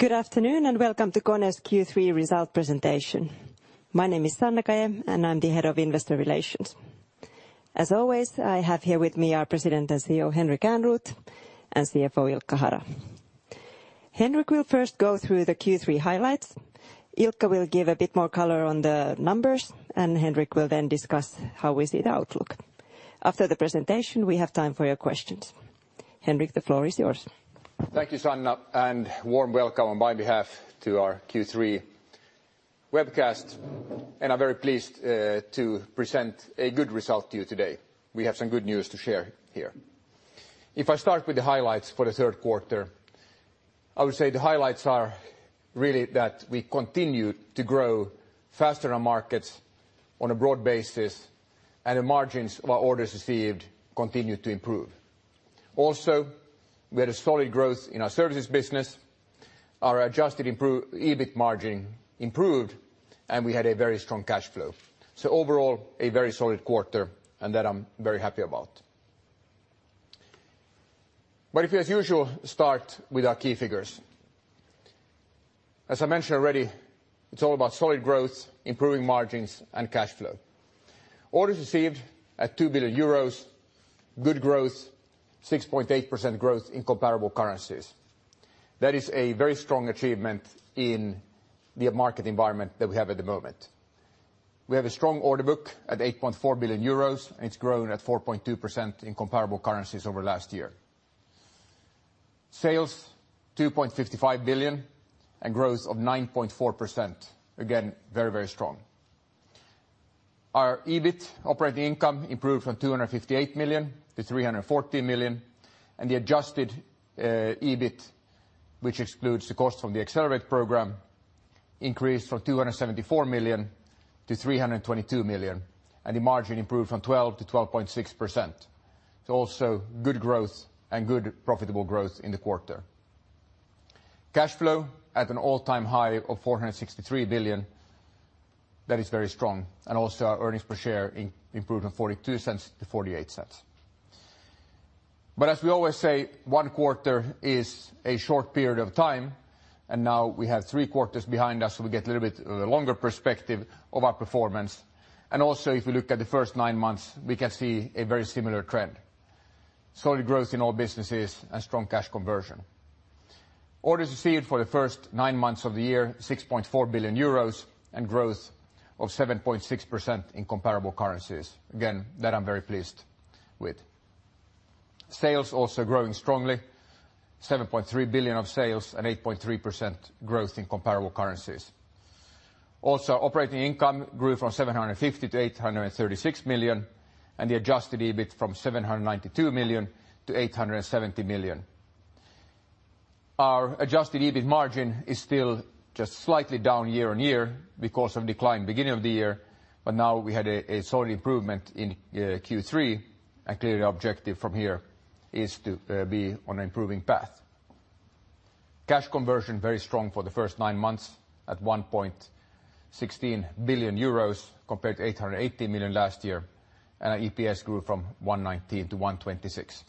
Good afternoon, and welcome to KONE's Q3 result presentation. My name is Sanna Kaje and I'm the Head of Investor Relations. As always, I have here with me our President and CEO, Henrik Ehrnrooth, and CFO, Ilkka Hara. Henrik will first go through the Q3 highlights, Ilkka will give a bit more color on the numbers. Henrik will then discuss how we see the outlook. After the presentation, we have time for your questions. Henrik, the floor is yours. Thank you, Sanna, warm welcome on my behalf to our Q3 webcast. I'm very pleased to present a good result to you today. We have some good news to share here. If I start with the highlights for the third quarter, I would say the highlights are really that we continued to grow faster in our markets on a broad basis, and the margins of our orders received continued to improve. We had a solid growth in our services business. Our adjusted EBIT margin improved, and we had a very strong cash flow. Overall, a very solid quarter, and that I'm very happy about. If we, as usual, start with our key figures, as I mentioned already, it's all about solid growth, improving margins and cash flow. Orders received at 2 billion euros, good growth, 6.8% growth in comparable currencies. That is a very strong achievement in the market environment that we have at the moment. We have a strong order book at 8.4 billion euros, and it's grown at 4.2% in comparable currencies over last year. Sales, 2.55 billion and growth of 9.4%. Again, very strong. Our EBIT operating income improved from 258 million to 314 million, and the adjusted EBIT, which excludes the cost from the Accelerate program, increased from 274 million to 322 million, and the margin improved from 12%-12.6%. Also good growth and good profitable growth in the quarter. Cash flow at an all-time high of 463 million. That is very strong, and also our earnings per share improved from 0.42 to 0.48. As we always say, one quarter is a short period of time, and now we have three quarters behind us, so we get a little bit of a longer perspective of our performance. Also, if we look at the first nine months, we can see a very similar trend. Solid growth in all businesses and strong cash conversion. Orders received for the first nine months of the year, 6.4 billion euros, and growth of 7.6% in comparable currencies. Again, that I'm very pleased with. Sales also growing strongly, 7.3 billion of sales and 8.3% growth in comparable currencies. Also, operating income grew from 750 million-836 million, and the adjusted EBIT from 792 million-870 million. Our adjusted EBIT margin is still just slightly down year-on-year because of decline beginning of the year. Now we had a solid improvement in Q3. Clearly objective from here is to be on an improving path. Cash conversion, very strong for the first nine months at 1.16 billion euros compared to 880 million last year. Our EPS grew from 1.19 to 1.26.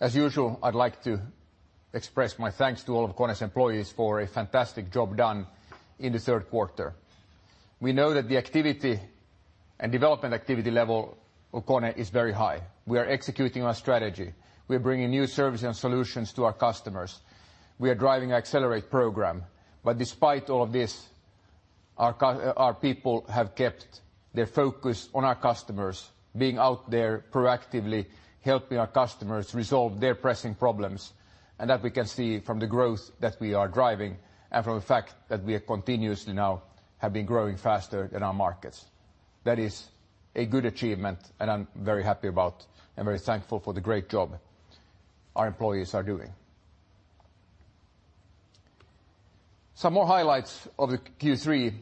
As usual, I'd like to express my thanks to all of KONE's employees for a fantastic job done in the third quarter. We know that the activity and development activity level of KONE is very high. We are executing our strategy. We are bringing new services and solutions to our customers. We are driving our Accelerate program. Despite all of this, our people have kept their focus on our customers, being out there proactively helping our customers resolve their pressing problems, and that we can see from the growth that we are driving and from the fact that we have continuously now been growing faster than our markets. That is a good achievement, and I'm very happy about and very thankful for the great job our employees are doing. Some more highlights of the Q3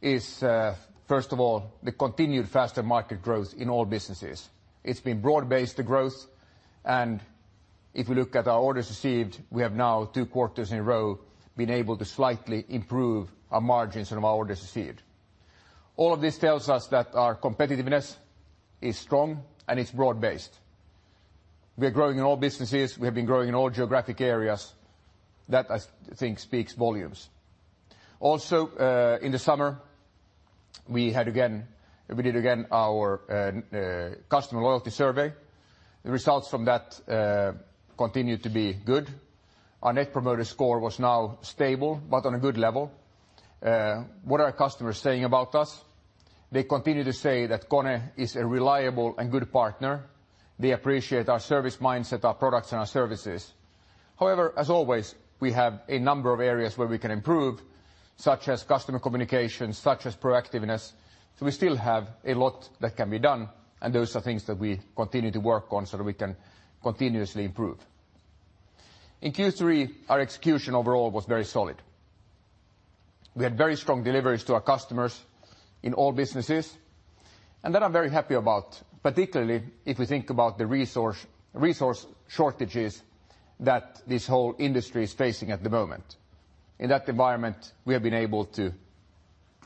is, first of all, the continued faster market growth in all businesses. It's been broad-based, the growth, and if we look at our orders received, we have now two quarters in a row been able to slightly improve our margins on our orders received. All of this tells us that our competitiveness is strong and it's broad-based. We are growing in all businesses. We have been growing in all geographic areas. That, I think, speaks volumes. Also, in the summer, we did again our customer loyalty survey. The results from that continue to be good. Our Net Promoter Score was now stable, but on a good level. What are our customers saying about us? They continue to say that KONE is a reliable and good partner. They appreciate our service mindset, our products, and our services. However, as always, we have a number of areas where we can improve, such as customer communication, such as proactiveness. We still have a lot that can be done, and those are things that we continue to work on so that we can continuously improve. In Q3, our execution overall was very solid. We had very strong deliveries to our customers in all businesses, that I'm very happy about, particularly if we think about the resource shortages that this whole industry is facing at the moment. In that environment, we have been able to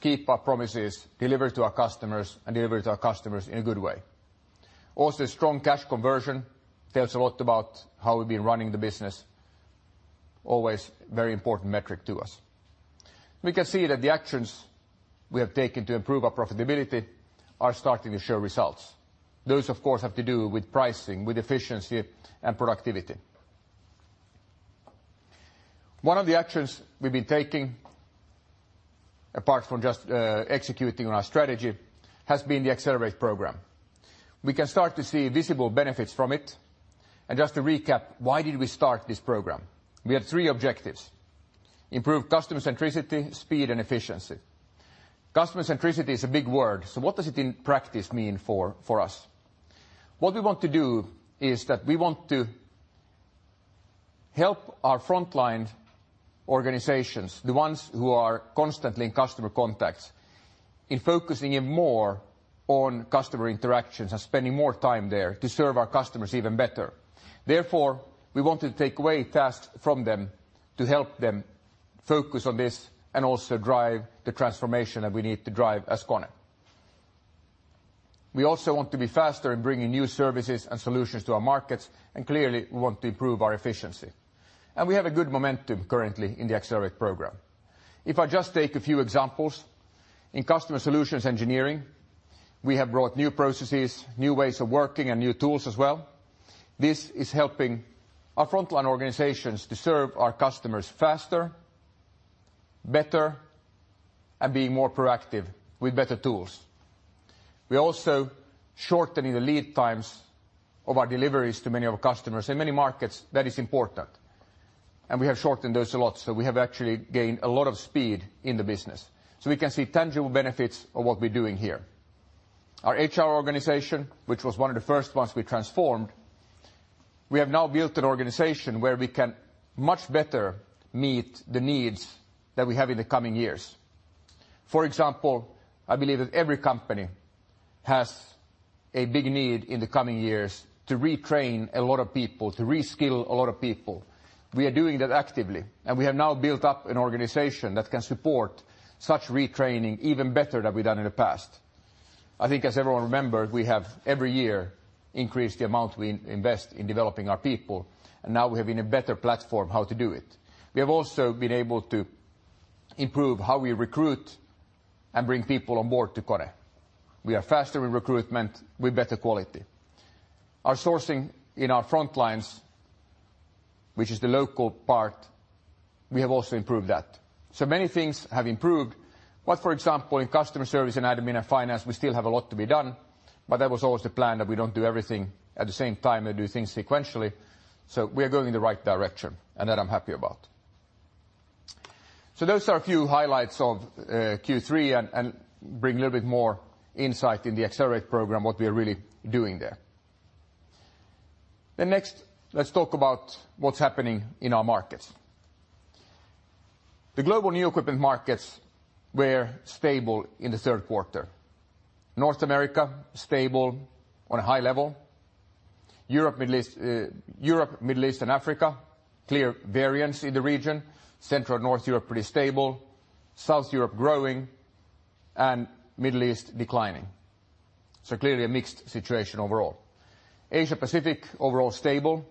keep our promises, deliver to our customers, and deliver to our customers in a good way. Strong cash conversion tells a lot about how we've been running the business. Always very important metric to us. We can see that the actions we have taken to improve our profitability are starting to show results. Those, of course, have to do with pricing, with efficiency and productivity. One of the actions we've been taking, apart from just executing on our strategy, has been the Accelerate program. We can start to see visible benefits from it. Just to recap, why did we start this program? We had three objectives, improve customer centricity, speed, and efficiency. Customer centricity is a big word. What does it in practice mean for us? What we want to do is that we want to help our frontline organizations, the ones who are constantly in customer contacts, in focusing more on customer interactions and spending more time there to serve our customers even better. Therefore, we want to take away tasks from them to help them focus on this, and also drive the transformation that we need to drive as KONE. We also want to be faster in bringing new services and solutions to our markets. Clearly, we want to improve our efficiency. We have a good momentum currently in the Accelerate program. If I just take a few examples, in customer solutions engineering, we have brought new processes, new ways of working, and new tools as well. This is helping our frontline organizations to serve our customers faster, better, and being more proactive with better tools. We're also shortening the lead times of our deliveries to many of our customers. In many markets that is important, and we have shortened those a lot. We have actually gained a lot of speed in the business. We can see tangible benefits of what we're doing here. Our HR organization, which was one of the first ones we transformed, we have now built an organization where we can much better meet the needs that we have in the coming years. For example, I believe that every company has a big need in the coming years to retrain a lot of people, to reskill a lot of people. We are doing that actively, and we have now built up an organization that can support such retraining even better than we've done in the past. I think as everyone remembers, we have every year increased the amount we invest in developing our people, and now we have a better platform how to do it. We have also been able to improve how we recruit and bring people on board to KONE. We are faster in recruitment with better quality. Our sourcing in our frontlines, which is the local part, we have also improved that. Many things have improved, but for example, in customer service and admin and finance, we still have a lot to be done, but that was always the plan, that we don't do everything at the same time, we do things sequentially. We are going in the right direction, and that I'm happy about. Those are a few highlights of Q3 and bring a little bit more insight in the Accelerate program, what we are really doing there. Next, let's talk about what's happening in our markets. The global new equipment markets were stable in the third quarter. North America, stable on a high level. Europe, Middle East and Africa, clear variance in the region. Central and North Europe, pretty stable. South Europe, growing, and Middle East, declining. Clearly a mixed situation overall. Asia-Pacific, overall stable.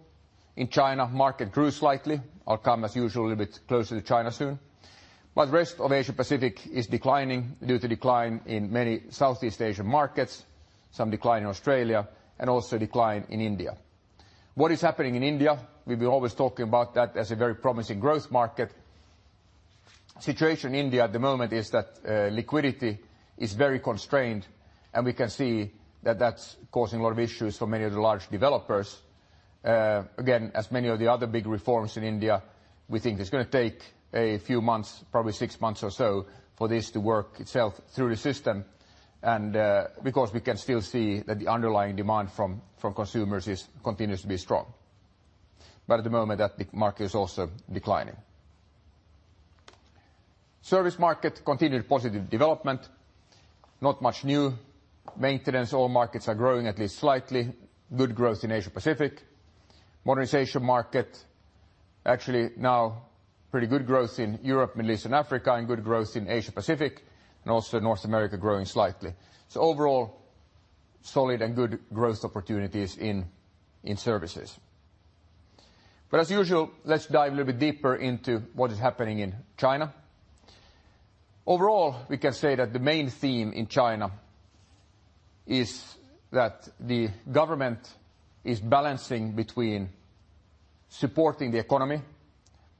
In China, market grew slightly. I'll come as usual a little bit closer to China soon. The rest of Asia-Pacific is declining due to decline in many Southeast Asian markets, some decline in Australia, and also decline in India. What is happening in India? We've been always talking about that as a very promising growth market. Situation in India at the moment is that liquidity is very constrained, and we can see that that's causing a lot of issues for many of the large developers. Again, as many of the other big reforms in India, we think it's going to take a few months, probably six months or so, for this to work itself through the system, and because we can still see that the underlying demand from consumers continues to be strong. At the moment, that market is also declining. Service market, continued positive development, not much new. Maintenance, all markets are growing at least slightly. Good growth in Asia-Pacific. Modernization market, actually now pretty good growth in Europe, Middle East and Africa, and good growth in Asia-Pacific. Also North America growing slightly. Overall, solid and good growth opportunities in services. As usual, let's dive a little bit deeper into what is happening in China. Overall, we can say that the main theme in China is that the government is balancing between supporting the economy,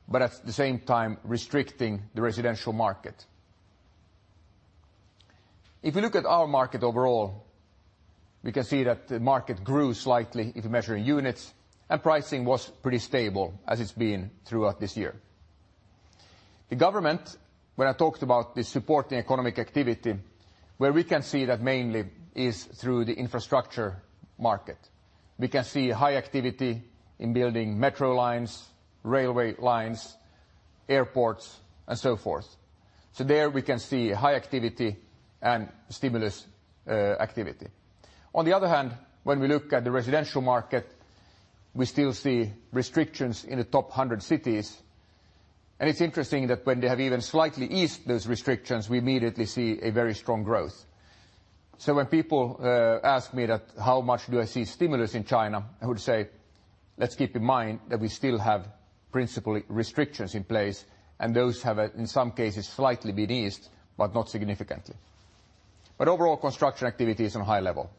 but at the same time restricting the residential market. If you look at our market overall, we can see that the market grew slightly if you measure in units, and pricing was pretty stable as it's been throughout this year. The government, when I talked about the supporting economic activity, where we can see that mainly is through the infrastructure market. We can see high activity in building metro lines, railway lines, airports, and so forth. There we can see high activity and stimulus activity. On the other hand, when we look at the residential market. We still see restrictions in the top 100 cities, and it's interesting that when they have even slightly eased those restrictions, we immediately see a very strong growth. When people ask me that, how much do I see stimulus in China, I would say, let's keep in mind that we still have principal restrictions in place, and those have, in some cases, slightly been eased, but not significantly. Overall construction activity is on a high level.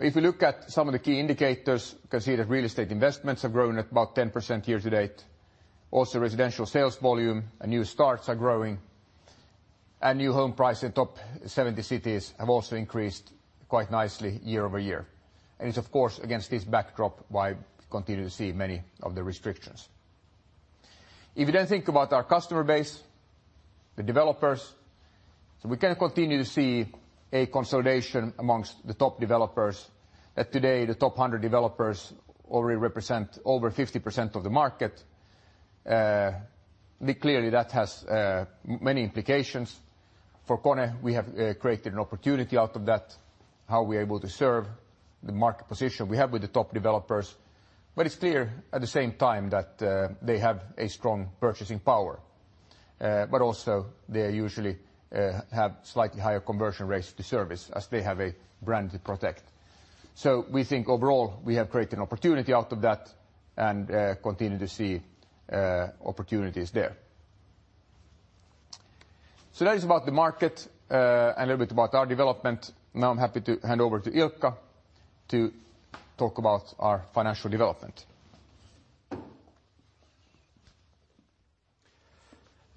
If we look at some of the key indicators, you can see that real estate investments have grown at about 10% year to date. Also, residential sales volume and new starts are growing. New home prices in top 70 cities have also increased quite nicely year-over-year. It's, of course, against this backdrop why we continue to see many of the restrictions. If you think about our customer base, the developers, we can continue to see a consolidation amongst the top developers, that today the top 100 developers already represent over 50% of the market. Clearly, that has many implications. For KONE, we have created an opportunity out of that, how we're able to serve the market position we have with the top developers. It's clear at the same time that they have a strong purchasing power. Also they usually have slightly higher conversion rates to service as they have a brand to protect. We think overall, we have created an opportunity out of that and continue to see opportunities there. That is about the market, a little bit about our development. Now I'm happy to hand over to Ilkka to talk about our financial development.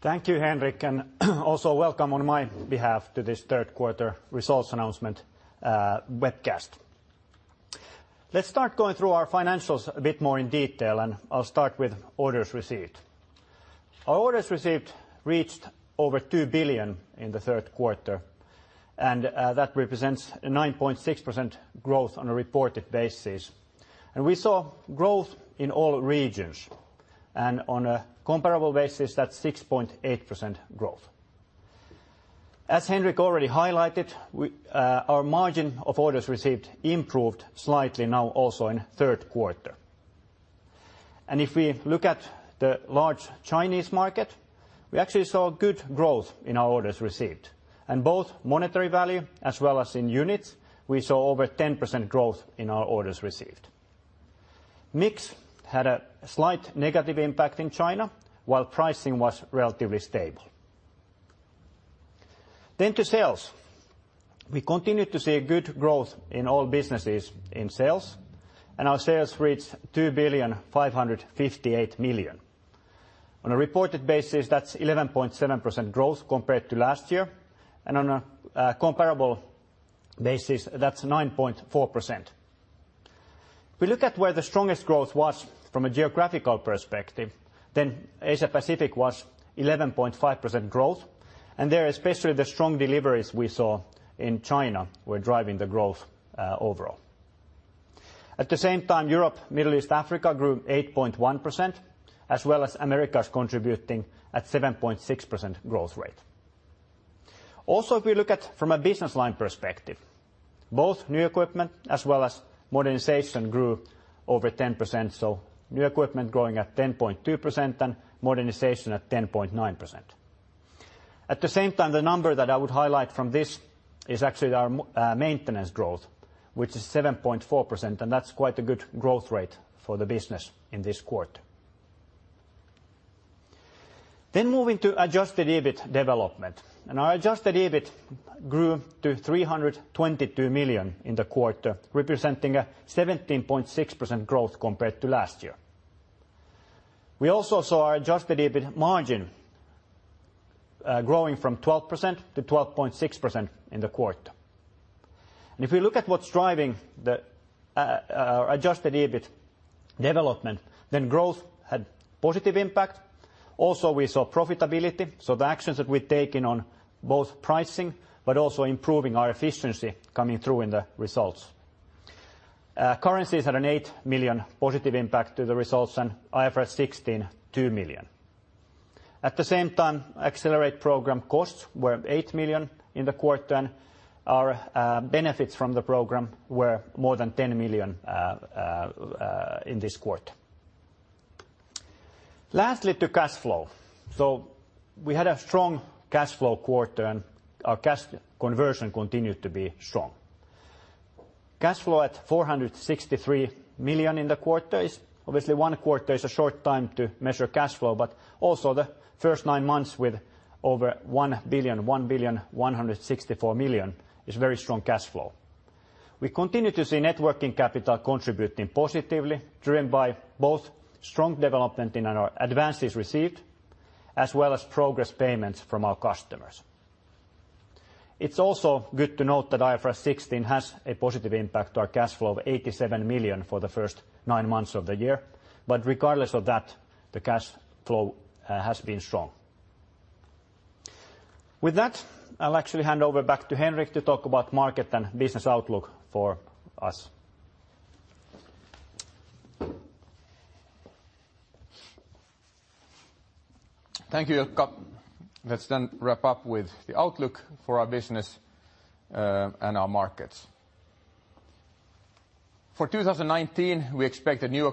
Thank you, Henrik, and also welcome on my behalf to this third quarter results announcement webcast. Let's start going through our financials a bit more in detail. I'll start with orders received. Our orders received reached over 2 billion in the third quarter. That represents a 9.6% growth on a reported basis. We saw growth in all regions. On a comparable basis, that's 6.8% growth. As Henrik already highlighted, our margin of orders received improved slightly now also in third quarter. If we look at the large Chinese market, we actually saw good growth in our orders received. In both monetary value as well as in units, we saw over 10% growth in our orders received. Mix had a slight negative impact in China, while pricing was relatively stable. To sales. We continued to see good growth in all businesses in sales. Our sales reached 2 billion 558 million. On a reported basis, that's 11.7% growth compared to last year. On a comparable basis, that's 9.4%. If we look at where the strongest growth was from a geographical perspective, Asia-Pacific was 11.5% growth. There especially the strong deliveries we saw in China were driving the growth overall. At the same time, Europe, Middle East, Africa grew 8.1%, as well as Americas contributing at 7.6% growth rate. If we look at from a business line perspective, both new equipment as well as modernization grew over 10%. New equipment growing at 10.2% and modernization at 10.9%. At the same time, the number that I would highlight from this is actually our maintenance growth, which is 7.4%, and that's quite a good growth rate for the business in this quarter. Moving to adjusted EBIT development. Our adjusted EBIT grew to 322 million in the quarter, representing a 17.6% growth compared to last year. We also saw our adjusted EBIT margin growing from 12% to 12.6% in the quarter. If we look at what's driving the adjusted EBIT development, growth had positive impact. Also, we saw profitability, so the actions that we've taken on both pricing but also improving our efficiency coming through in the results. Currencies had an 8 million positive impact to the results, and IFRS 16, 2 million. Accelerate program costs were 8 million in the quarter. Our benefits from the program were more than 10 million in this quarter. Lastly, to cash flow. We had a strong cash flow quarter. Our cash conversion continued to be strong. Cash flow at 463 million in the quarter. One quarter is a short time to measure cash flow. Also the first nine months with over 1,164 million is very strong cash flow. We continue to see networking capital contributing positively, driven by both strong development in our advances received, as well as progress payments from our customers. It is also good to note that IFRS 16 has a positive impact to our cash flow of 87 million for the first nine months of the year. Regardless of that, the cash flow has been strong. With that, I'll actually hand over back to Henrik to talk about market and business outlook for us. Thank you, Ilkka. Let's wrap up with the outlook for our business and our markets. For 2019, we expect that new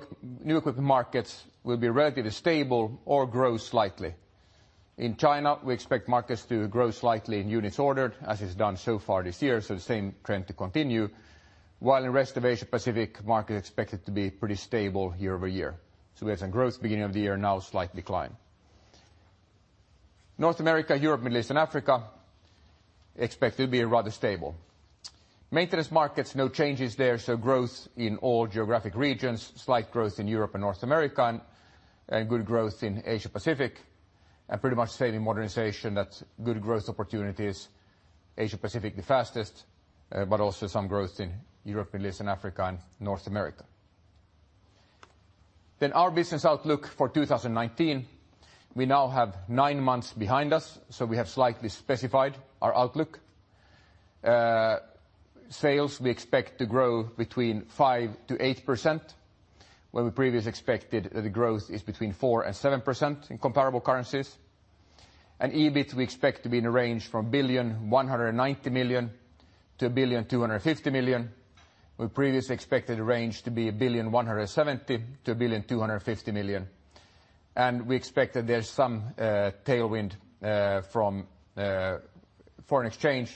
equipment markets will be relatively stable or grow slightly. In China, we expect markets to grow slightly in units ordered, as it's done so far this year, so the same trend to continue, while in rest of Asia Pacific, market expected to be pretty stable year-over-year. We had some growth beginning of the year, now slight decline. North America, Europe, Middle East, and Africa expect to be rather stable. Maintenance markets, no changes there, so growth in all geographic regions, slight growth in Europe and North America, and good growth in Asia Pacific, and pretty much same in modernization. That's good growth opportunities. Asia Pacific, the fastest, also some growth in Europe, Middle East and Africa and North America. Our business outlook for 2019. We now have nine months behind us, so we have slightly specified our outlook. Sales, we expect to grow between 5%-8%, where we previously expected the growth is between 4% and 7% in comparable currencies. EBIT, we expect to be in a range from 1,190 million-1,250 million. We previously expected the range to be 1,170 million-1,250 million. We expect that there's some tailwind from foreign exchange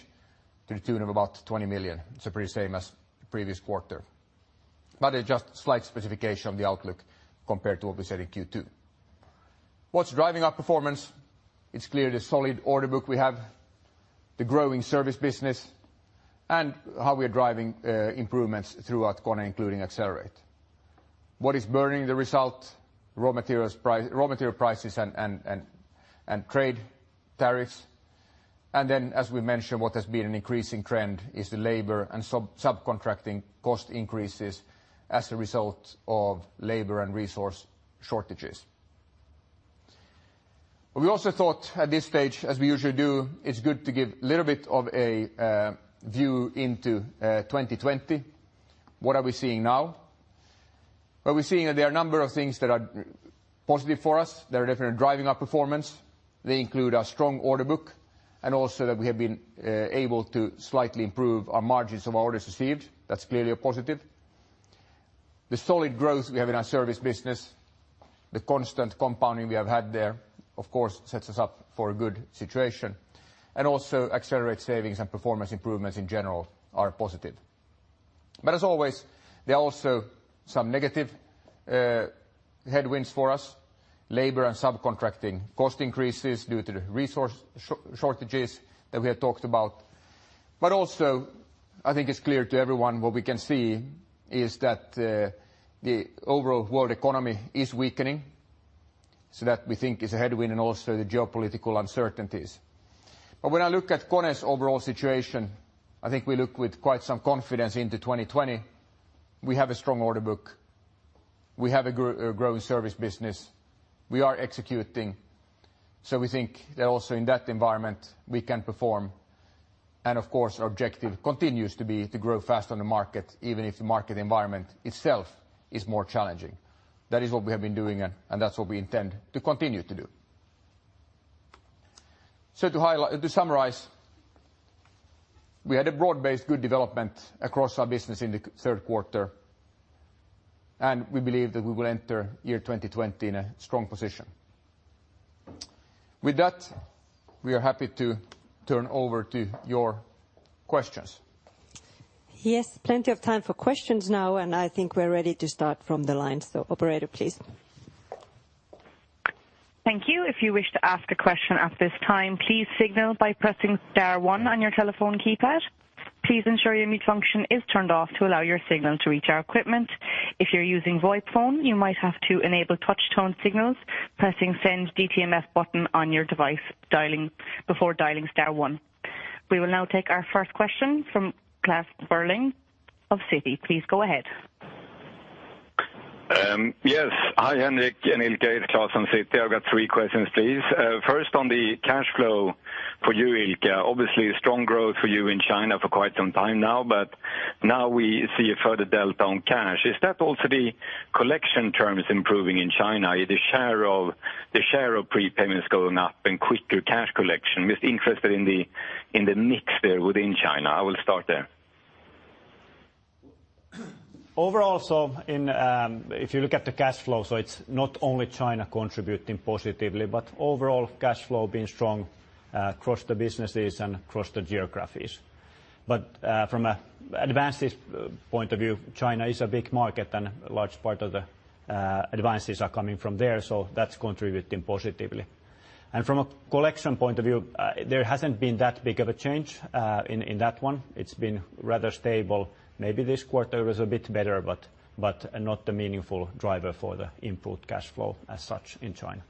to the tune of about 20 million. It's pretty the same as the previous quarter. Just slight specification of the outlook compared to what we said in Q2. What's driving our performance? It's clear the solid order book we have, the growing service business, and how we are driving improvements throughout KONE, including Accelerate. What is burdening the result? Raw material prices and trade tariffs. Then, as we mentioned, what has been an increasing trend is the labor and subcontracting cost increases as a result of labor and resource shortages. We also thought at this stage, as we usually do, it's good to give a little bit of a view into 2020. What are we seeing now? What we're seeing are there are a number of things that are positive for us, that are definitely driving our performance. They include our strong order book, and also that we have been able to slightly improve our margins of orders received. That's clearly a positive. The solid growth we have in our service business, the constant compounding we have had there, of course, sets us up for a good situation, and also Accelerate savings and performance improvements in general are positive. As always, there are also some negative headwinds for us. Labor and subcontracting cost increases due to the resource shortages that we have talked about. Also, I think it's clear to everyone what we can see is that the overall world economy is weakening, so that we think is a headwind and also the geopolitical uncertainties. When I look at KONE's overall situation, I think we look with quite some confidence into 2020. We have a strong order book. We have a growing service business. We are executing. We think that also in that environment, we can perform. Of course, our objective continues to be to grow fast on the market, even if the market environment itself is more challenging. That is what we have been doing, and that's what we intend to continue to do. To summarize, we had a broad-based good development across our business in the third quarter, and we believe that we will enter year 2020 in a strong position. With that, we are happy to turn over to your questions. Yes, plenty of time for questions now. I think we're ready to start from the line. Operator, please. Thank you. If you wish to ask a question at this time, please signal by pressing star one on your telephone keypad. Please ensure your mute function is turned off to allow your signal to reach our equipment. If you're using VoIP phone, you might have to enable touch tone signals, pressing Send DTMF button on your device before dialing star one. We will now take our first question from Klas Bergelind of Citi. Please go ahead. Yes. Hi, Henrik and Ilkka. It's Klas from Citi. I've got three questions, please. First, on the cash flow for you, Ilkka. Obviously, strong growth for you in China for quite some time now. Now we see a further delta on cash. Is that also the collection terms improving in China? The share of prepayments going up and quicker cash collection. Just interested in the mix there within China. I will start there. Overall, if you look at the cash flow, it's not only China contributing positively, but overall cash flow being strong across the businesses and across the geographies. From an advances point of view, China is a big market and a large part of the advances are coming from there, that's contributing positively. From a collection point of view, there hasn't been that big of a change in that one. It's been rather stable. Maybe this quarter was a bit better, but not a meaningful driver for the input cash flow as such in China.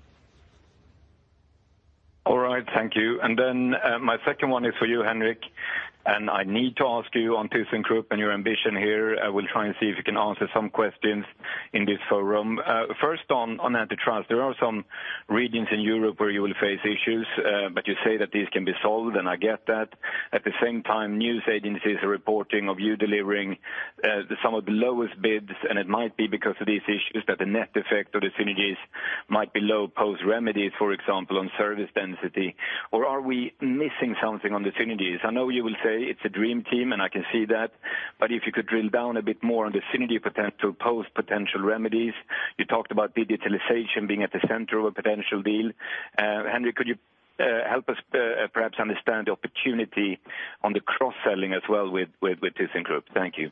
All right. Thank you. Then my second one is for you, Henrik, and I need to ask you on ThyssenKrupp and your ambition here. I will try and see if you can answer some questions in this forum. First on antitrust. There are some regions in Europe where you will face issues, you say that these can be solved, I get that. At the same time, news agencies are reporting of you delivering some of the lowest bids, it might be because of these issues that the net effect of the synergies might be low post remedies, for example, on service density, are we missing something on the synergies? I know you will say it's a dream team, I can see that, if you could drill down a bit more on the synergy potential post potential remedies. You talked about digitalization being at the center of a potential deal. Henrik, could you help us perhaps understand the opportunity on the cross-selling as well with ThyssenKrupp? Thank you.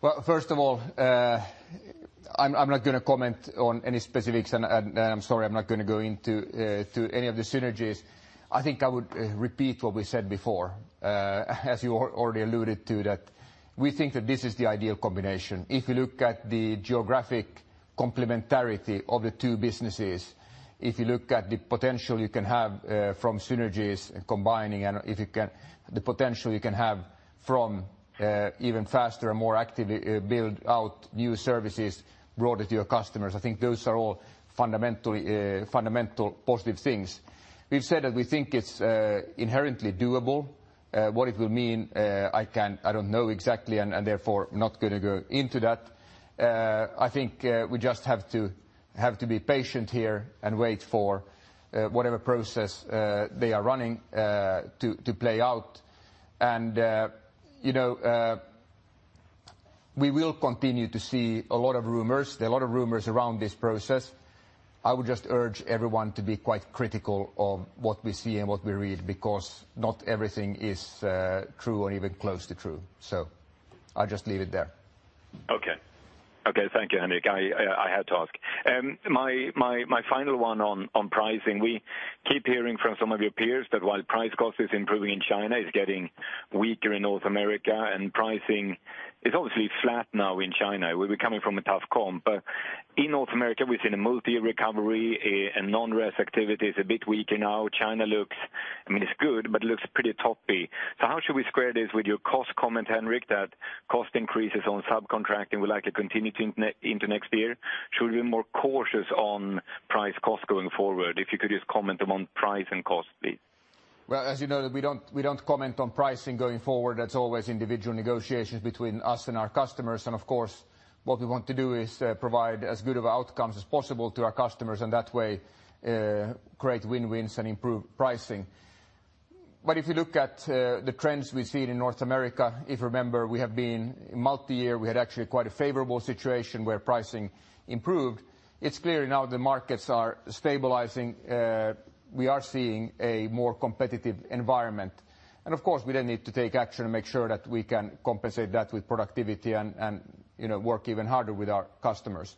Well, first of all, I'm not going to comment on any specifics, and I'm sorry, I'm not going to go into any of the synergies. I think I would repeat what we said before, as you already alluded to, that we think that this is the ideal combination. If you look at the geographic complementarity of the two businesses, if you look at the potential you can have from synergies combining and the potential you can have from even faster and more actively build out new services, broader to your customers. I think those are all fundamental positive things. We've said that we think it's inherently doable. What it will mean, I don't know exactly, and therefore not going to go into that. I think we just have to be patient here and wait for whatever process they are running to play out. We will continue to see a lot of rumors. There are a lot of rumors around this process. I would just urge everyone to be quite critical of what we see and what we read, because not everything is true or even close to true. I'll just leave it there. Okay. Thank you, Henrik. I had to ask. My final one on pricing. We keep hearing from some of your peers that while price cost is improving in China, it's getting weaker in North America, and pricing is obviously flat now in China, where we're coming from a tough comp. In North America, we've seen a multi-year recovery and non-res activity is a bit weaker now. China looks, I mean, it's good, but looks pretty toppy. How should we square this with your cost comment, Henrik, that cost increases on subcontracting would likely continue into next year? Should we be more cautious on price cost going forward? If you could just comment among price and cost, please. Well, as you know, we don't comment on pricing going forward. That's always individual negotiations between us and our customers, and of course, what we want to do is provide as good of outcomes as possible to our customers, and that way, create win-wins and improve pricing. If you look at the trends we've seen in North America, if you remember, we have been multi-year. We had actually quite a favorable situation where pricing improved. It's clear now the markets are stabilizing. We are seeing a more competitive environment. Of course, we then need to take action and make sure that we can compensate that with productivity and work even harder with our customers.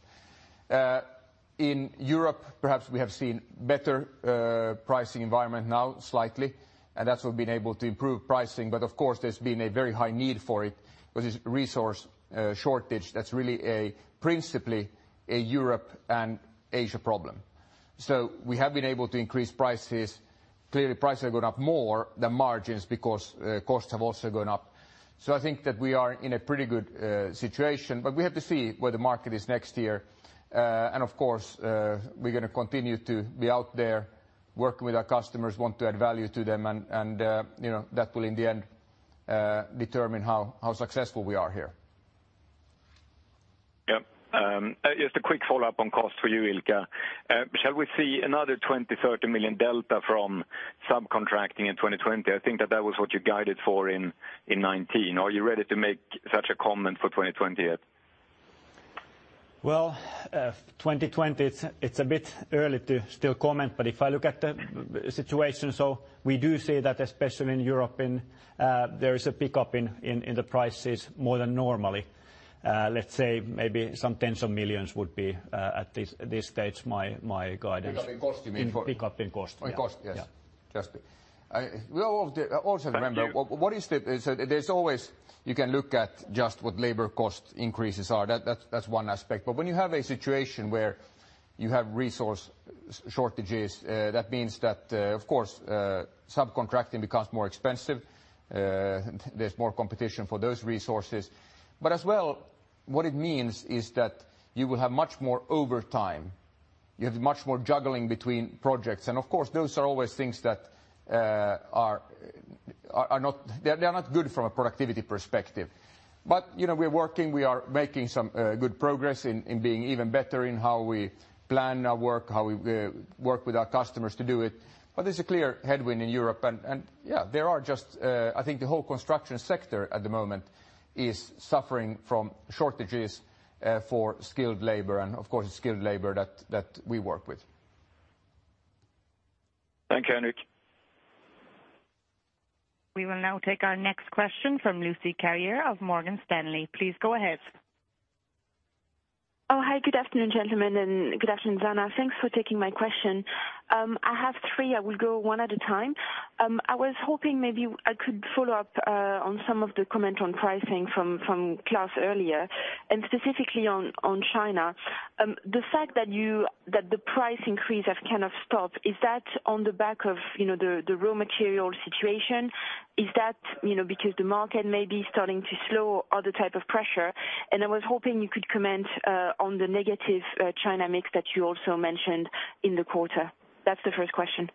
In Europe, perhaps we have seen better pricing environment now, slightly, and that's what we've been able to improve pricing. Of course, there's been a very high need for it with this resource shortage that's really principally a Europe and Asia problem. We have been able to increase prices. Clearly, prices have gone up more than margins because costs have also gone up. I think that we are in a pretty good situation, but we have to see where the market is next year. Of course, we're going to continue to be out there working with our customers, want to add value to them, and that will in the end determine how successful we are here. Yep. Just a quick follow-up on cost for you, Ilkka. Shall we see another 20 million-30 million delta from subcontracting in 2020? I think that was what you guided for in 2019. Are you ready to make such a comment for 2020 yet? 2020, it's a bit early to still comment, but if I look at the situation, we do see that especially in Europe, there is a pickup in the prices more than normally. Let's say maybe some EUR tens of millions would be, at this stage, my guidance. Pick up in cost, you mean? In pickup in cost. In cost, yes. Yeah. Trust it. Also remember. Thank you. There's always, you can look at just what labor cost increases are. That's one aspect. When you have a situation where you have resource shortages, that means that, of course, subcontracting becomes more expensive. There's more competition for those resources. As well, what it means is that you will have much more overtime. You have much more juggling between projects. Of course, those are always things that are not good from a productivity perspective. We're working, we are making some good progress in being even better in how we plan our work, how we work with our customers to do it. There's a clear headwind in Europe. Yeah, I think the whole construction sector at the moment is suffering from shortages for skilled labor, and of course, skilled labor that we work with. Thank you, Henrik. We will now take our next question from Lucie Carrier of Morgan Stanley. Please go ahead. Oh, hi. Good afternoon, gentlemen, and good afternoon, Sanna. Thanks for taking my question. I have three. I will go one at a time. I was hoping maybe I could follow up on some of the comment on pricing from Klas earlier. Specifically on China. The fact that the price increase have kind of stopped, is that on the back of the raw material situation? Is that because the market may be starting to slow other type of pressure? I was hoping you could comment on the negative China mix that you also mentioned in the quarter. That's the first question.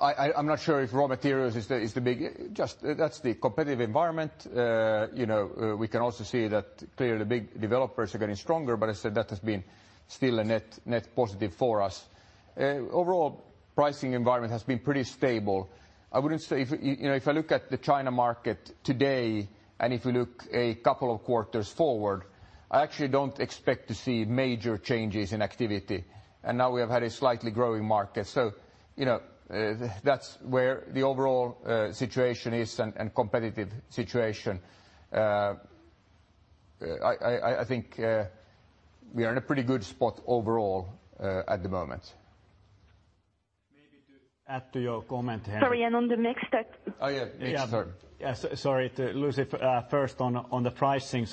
I'm not sure if raw materials is the big Just, that's the competitive environment. We can also see that clearly the big developers are getting stronger, but as said, that has been still a net positive for us. Overall pricing environment has been pretty stable. If I look at the China market today, and if we look a couple of quarters forward, I actually don't expect to see major changes in activity. Now we have had a slightly growing market. That's where the overall situation is and competitive situation. I think we are in a pretty good spot overall, at the moment. Maybe to add to your comment, Henri. Sorry, on the mix. Oh, yeah. Mix. Sorry, to Lucie, first on the pricing.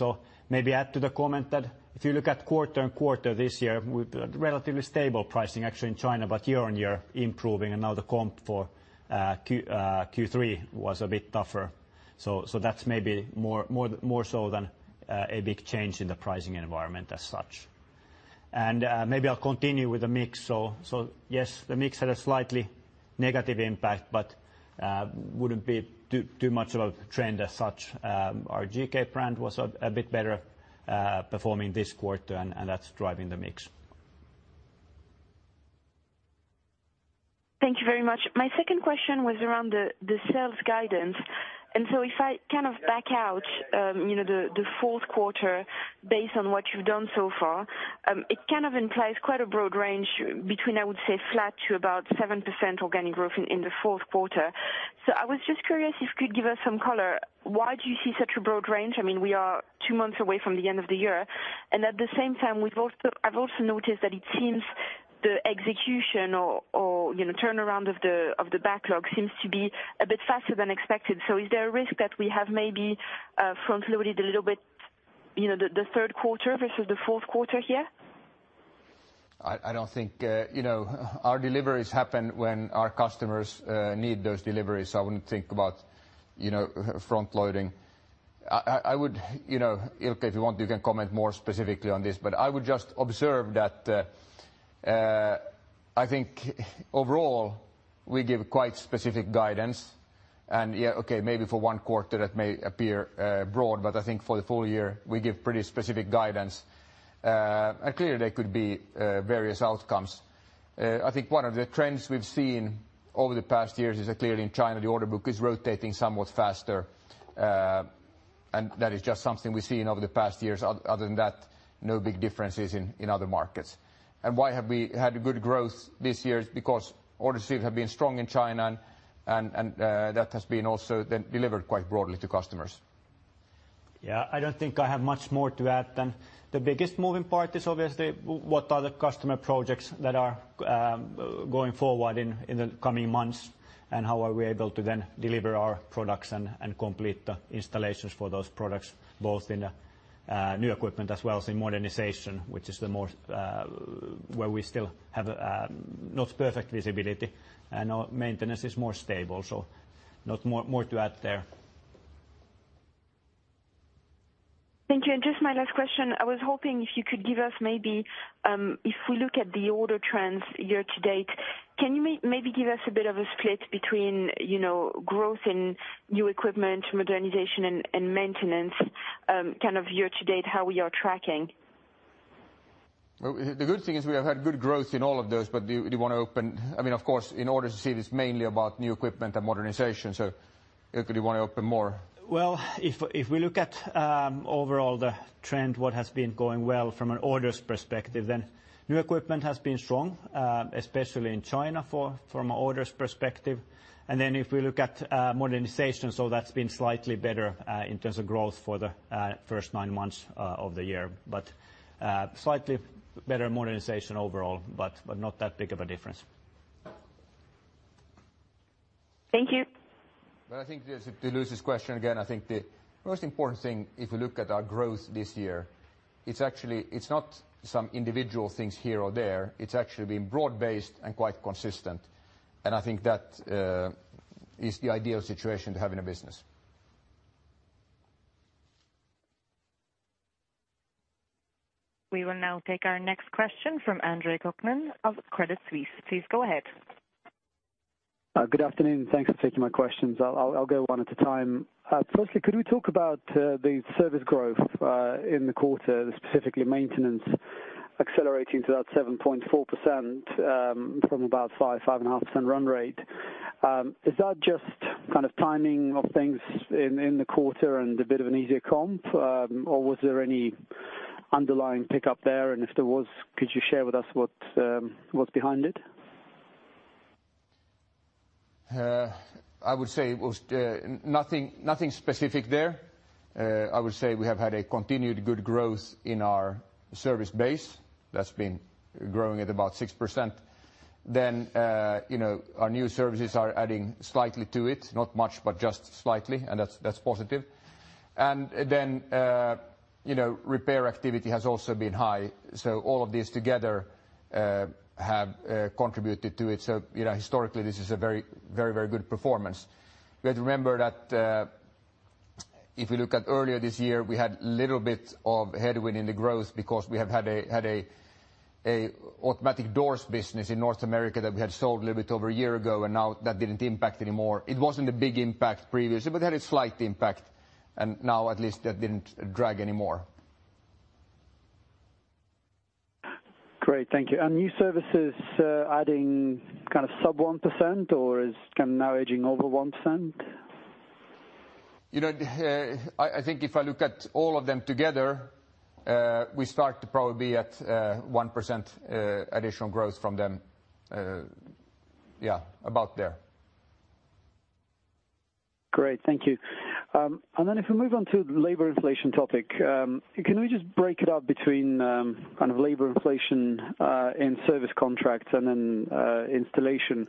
Maybe add to the comment that if you look at quarter-on-quarter this year, with relatively stable pricing actually in China, but year-on-year improving and now the comp for Q3 was a bit tougher. That's maybe more so than a big change in the pricing environment as such. Maybe I'll continue with the mix. Yes, the mix had a slightly negative impact, but wouldn't be too much of a trend as such. Our GiantKONE brand was a bit better performing this quarter, and that's driving the mix. Thank you very much. My second question was around the sales guidance. If I kind of back out the fourth quarter based on what you've done so far, it kind of implies quite a broad range between, I would say, flat to about 7% organic growth in the fourth quarter. I was just curious if you could give us some color. Why do you see such a broad range? We are two months away from the end of the year. At the same time, I've also noticed that it seems the execution or turnaround of the backlog seems to be a bit faster than expected. Is there a risk that we have maybe front-loaded a little bit, the third quarter versus the fourth quarter here? I don't think. Our deliveries happen when our customers need those deliveries, so I wouldn't think about front-loading. Ilkka, if you want, you can comment more specifically on this, but I would just observe that, I think overall we give quite specific guidance and yeah, okay, maybe for one quarter that may appear broad, but I think for the full year we give pretty specific guidance. Clearly there could be various outcomes. I think one of the trends we've seen over the past years is that clearly in China, the order book is rotating somewhat faster. That is just something we've seen over the past years. Other than that, no big differences in other markets. Why have we had good growth this year is because order sales have been strong in China, and that has been also then delivered quite broadly to customers. I don't think I have much more to add than the biggest moving part is obviously what are the customer projects that are going forward in the coming months, and how are we able to then deliver our products and complete the installations for those products, both in new equipment as well as in modernization, which is where we still have not perfect visibility, and our maintenance is more stable, so not more to add there. Thank you. Just my last question. I was hoping if you could give us, maybe, if we look at the order trends year to date, can you maybe give us a bit of a split between growth in new equipment, modernization, and maintenance, kind of year to date, how we are tracking? Well, the good thing is we have had good growth in all of those. Do you want to open Of course, in order to see this, mainly about new equipment and modernization. Ilkka do you want to open more? If we look at overall the trend, what has been going well from an orders perspective, then new equipment has been strong, especially in China from an orders perspective. If we look at modernization, so that's been slightly better in terms of growth for the first nine months of the year, slightly better modernization overall, but not that big of a difference. Thank you. I think to Lucie's question, again, I think the most important thing, if we look at our growth this year, it's not some individual things here or there. It's actually been broad-based and quite consistent, and I think that is the ideal situation to have in a business. We will now take our next question from Andre Kukhnin of Credit Suisse. Please go ahead. Good afternoon. Thanks for taking my questions. I'll go one at a time. Firstly, could we talk about the service growth, in the quarter, specifically maintenance accelerating to that 7.4%, from about 5.5% run rate. Is that just kind of timing of things in the quarter and a bit of an easier comp? Was there any underlying pickup there? If there was, could you share with us what's behind it? I would say it was nothing specific there. I would say we have had a continued good growth in our service base that's been growing at about 6%. Our new services are adding slightly to it, not much, but just slightly, and that's positive. Repair activity has also been high, so all of these together have contributed to it. Historically, this is a very good performance. You have to remember that if we look at earlier this year, we had little bit of headwind in the growth because we have had a automatic doors business in North America that we had sold a little bit over a year ago, and now that didn't impact anymore. It wasn't a big impact previously, but had a slight impact, and now at least that didn't drag anymore. Great, thank you. New services, adding sub 1%, or is now aging over 1%? I think if I look at all of them together, we start to probably be at 1% additional growth from them. Yeah, about there. Great, thank you. Then if we move on to labor inflation topic, can we just break it up between labor inflation, and service contracts and then installation?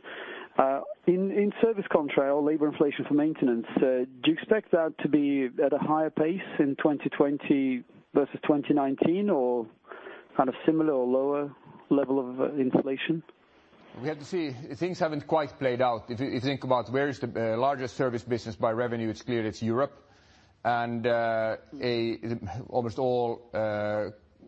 In service contract or labor inflation for maintenance, do you expect that to be at a higher pace in 2020 versus 2019, or similar or lower level of inflation? We have to see. Things haven't quite played out. If you think about where is the largest service business by revenue, it's clear it's Europe, and almost all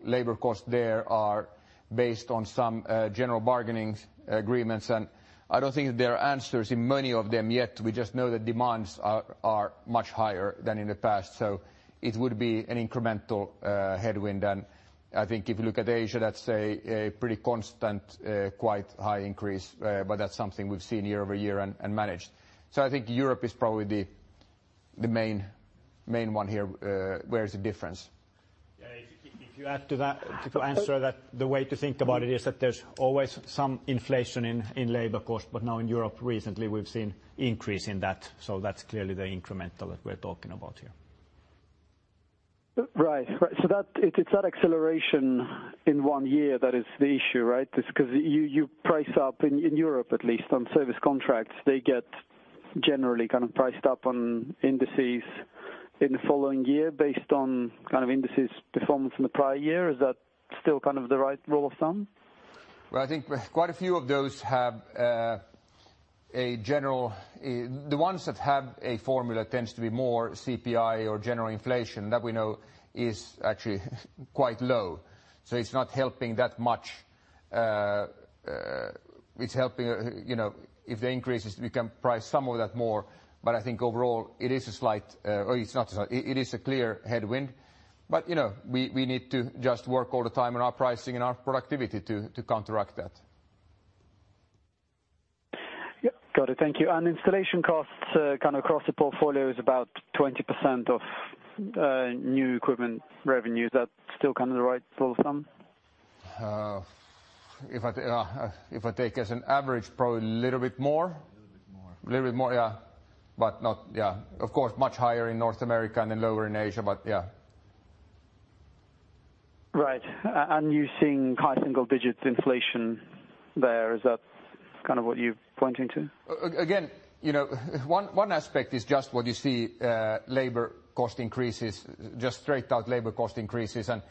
labor costs there are based on some general bargaining agreements. I don't think there are answers in many of them yet. We just know that demands are much higher than in the past, so it would be an incremental headwind. I think if you look at Asia, that's a pretty constant, quite high increase, but that's something we've seen year-over-year and managed. I think Europe is probably the main one here, where is a difference. Yeah, if you add to that, to answer that, the way to think about it is that there's always some inflation in labor cost. Now in Europe recently, we've seen increase in that. That's clearly the incremental that we're talking about here. Right. It's that acceleration in one year that is the issue, right? You price up, in Europe at least, on service contracts. They get generally priced up on indices in the following year based on indices performance in the prior year. Is that still the right rule of thumb? Well, I think quite a few of those have a, the ones that have a formula tends to be more CPI or general inflation, that we know is actually quite low. It's not helping that much. If the increase is, we can price some of that more, but I think overall it is a clear headwind. We need to just work all the time on our pricing and our productivity to counteract that. Yeah. Got it. Thank you. Installation costs, kind of across the portfolio is about 20% of new equipment revenue. Is that still the right rule of thumb? If I take as an average, probably a little bit more. Little bit more. Little bit more, yeah. Much higher in North America and then lower in Asia, but yeah. Right. You're seeing high single digits inflation there. Is that kind of what you're pointing to? Again, one aspect is just what you see, labor cost increases, just straight out labor cost increases, and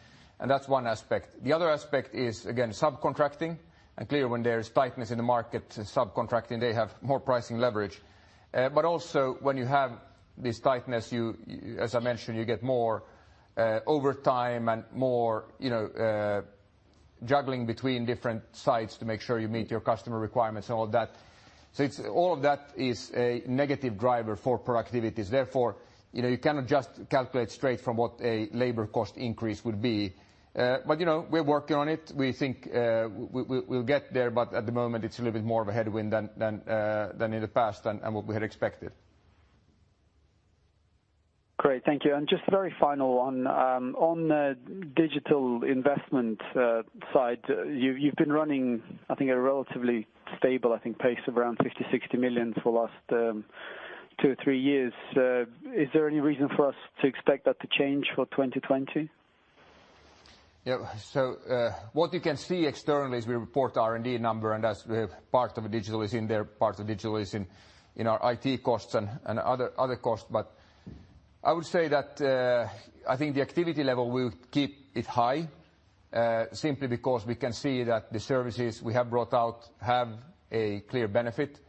that's one aspect. The other aspect is, again, subcontracting. Clearly, when there's tightness in the market, subcontracting, they have more pricing leverage. Also when you have this tightness, as I mentioned, you get more overtime and more juggling between different sites to make sure you meet your customer requirements and all that. All of that is a negative driver for productivities. Therefore, you cannot just calculate straight from what a labor cost increase would be. We're working on it. We think we'll get there, but at the moment, it's a little bit more of a headwind than in the past and what we had expected. Great, thank you. Just very final one. On digital investment side, you've been running, I think, a relatively stable, I think, pace of around 50 million-60 million for the last two or three years. Is there any reason for us to expect that to change for 2020? Yeah. What you can see externally is we report R&D number, and as part of digital is in there, part of digital is in our IT costs and other costs. I would say that, I think the activity level will keep it high, simply because we can see that the services we have brought out have a clear benefit.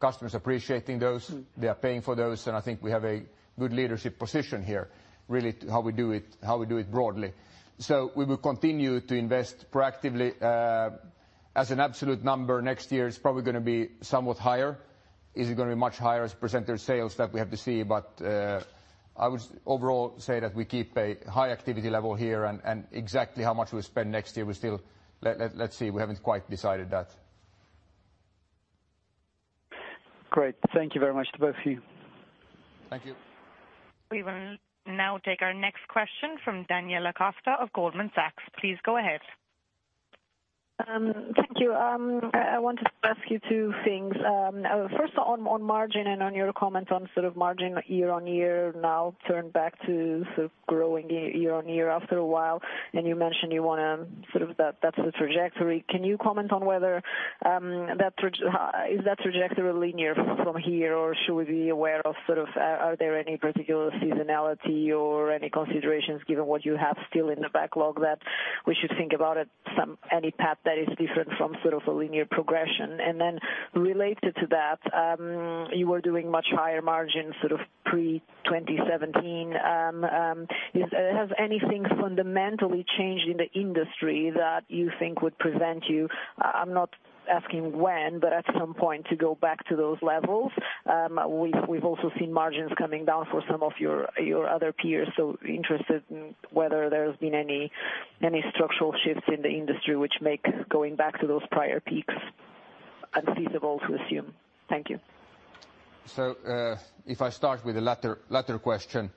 Customers appreciating those, they are paying for those, and I think we have a good leadership position here, really how we do it broadly. We will continue to invest proactively. As an absolute number, next year it's probably going to be somewhat higher. Is it going to be much higher as percentage sales? That we have to see. I would overall say that we keep a high activity level here and exactly how much we spend next year, let's see. We haven't quite decided that. Great. Thank you very much to both of you. Thank you. We will now take our next question from Daniela Costa of Goldman Sachs. Please go ahead. Thank you. I wanted to ask you two things. First on margin and on your comment on margin year-on-year now turned back to growing year-on-year after a while. You mentioned that's the trajectory. Can you comment on whether is that trajectory linear from here, or should we be aware of, are there any particular seasonality or any considerations given what you have still in the backlog that we should think about any path that is different from a linear progression? Related to that, you were doing much higher margins pre 2017. Has anything fundamentally changed in the industry that you think would prevent you, I'm not asking when, but at some point to go back to those levels? We've also seen margins coming down for some of your other peers, interested in whether there's been any structural shifts in the industry which make going back to those prior peaks unfeasible to assume. Thank you. If I start with the latter question,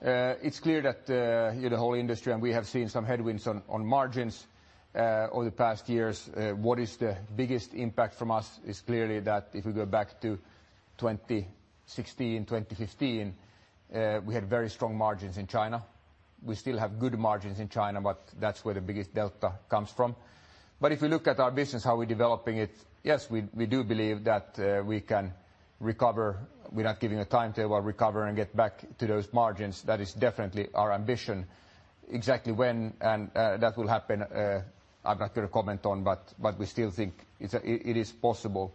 it's clear that the whole industry, and we have seen some headwinds on margins over the past years. What is the biggest impact from us is clearly that if we go back to 2016, 2015, we had very strong margins in China. We still have good margins in China, but that's where the biggest delta comes from. If we look at our business, how we're developing it, yes, we do believe that we can recover. We're not giving a timetable, recover and get back to those margins. That is definitely our ambition. Exactly when that will happen, I'm not going to comment on. We still think it is possible.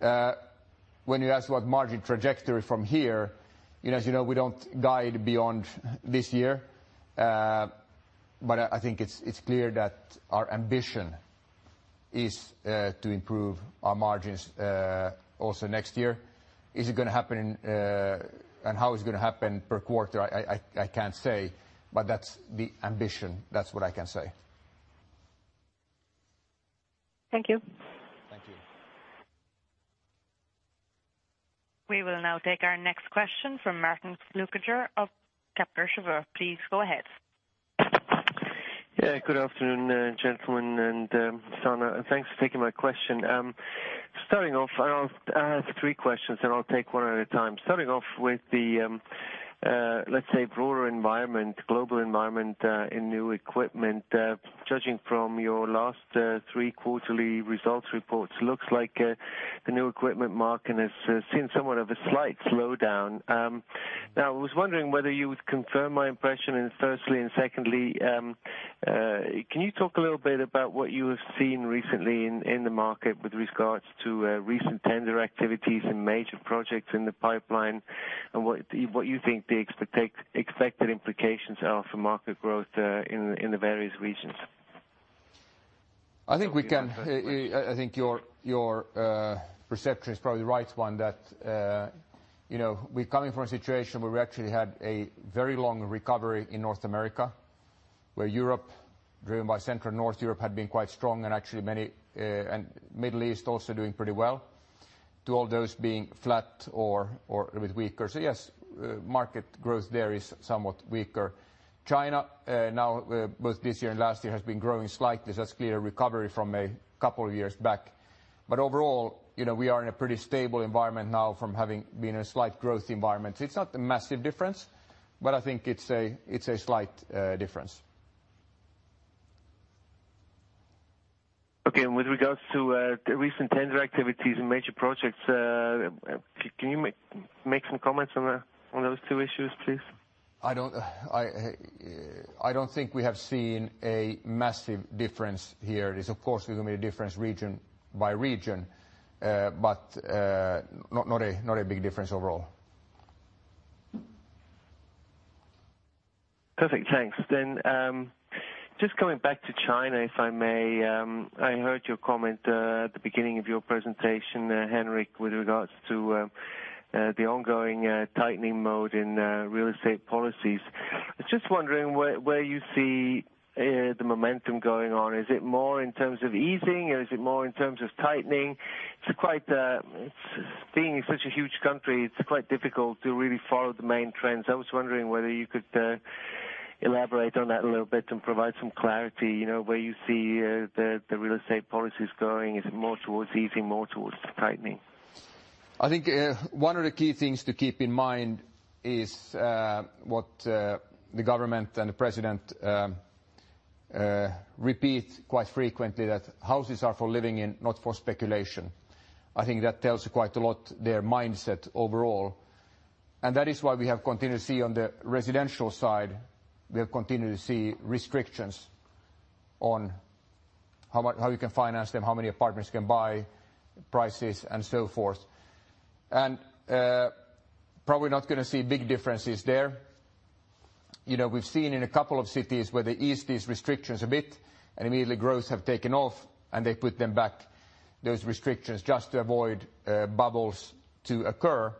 When you ask about margin trajectory from here, as you know, we don't guide beyond this year. I think it's clear that our ambition is to improve our margins also next year. Is it going to happen and how it's going to happen per quarter, I can't say, but that's the ambition. That's what I can say. Thank you. Thank you. We will now take our next question from Martin Flueckiger of Kepler Cheuvreux. Please go ahead. Good afternoon, gentlemen, and Sanna. Thanks for taking my question. Starting off, I'll ask three questions, and I'll take one at a time. Starting off with the, let's say, broader environment, global environment, in new equipment. Judging from your last three quarterly results reports, looks like the new equipment market has seen somewhat of a slight slowdown. I was wondering whether you would confirm my impression firstly, and secondly, can you talk a little bit about what you have seen recently in the market with regards to recent tender activities and major projects in the pipeline, and what you think the expected implications are for market growth in the various regions? I think your perception is probably the right one, that we're coming from a situation where we actually had a very long recovery in North America, where Europe, driven by Central and North Europe, had been quite strong, and Middle East also doing pretty well. To all those being flat or a bit weaker. Yes, market growth there is somewhat weaker. China now, both this year and last year, has been growing slightly. That's clearly a recovery from a couple of years back. Overall, we are in a pretty stable environment now from having been a slight growth environment. It's not a massive difference, but I think it's a slight difference. Okay, with regards to the recent tender activities and major projects, can you make some comments on those two issues, please? I don't think we have seen a massive difference here. There's, of course, going to be a difference region by region, but not a big difference overall. Perfect. Thanks. Just coming back to China, if I may. I heard your comment at the beginning of your presentation, Henrik, with regards to the ongoing tightening mode in real estate policies. I was just wondering where you see the momentum going on. Is it more in terms of easing, or is it more in terms of tightening? Being such a huge country, it's quite difficult to really follow the main trends. I was wondering whether you could elaborate on that a little bit and provide some clarity, where you see the real estate policies going. Is it more towards easing, more towards tightening? I think one of the key things to keep in mind is what the government and the president repeat quite frequently, that houses are for living in, not for speculation. I think that tells you quite a lot their mindset overall. That is why we have continued to see on the residential side, we have continued to see restrictions on how you can finance them, how many apartments you can buy, prices, and so forth. Probably not going to see big differences there. We've seen in a couple of cities where they eased these restrictions a bit, and immediately growth have taken off, and they put them back, those restrictions, just to avoid bubbles to occur.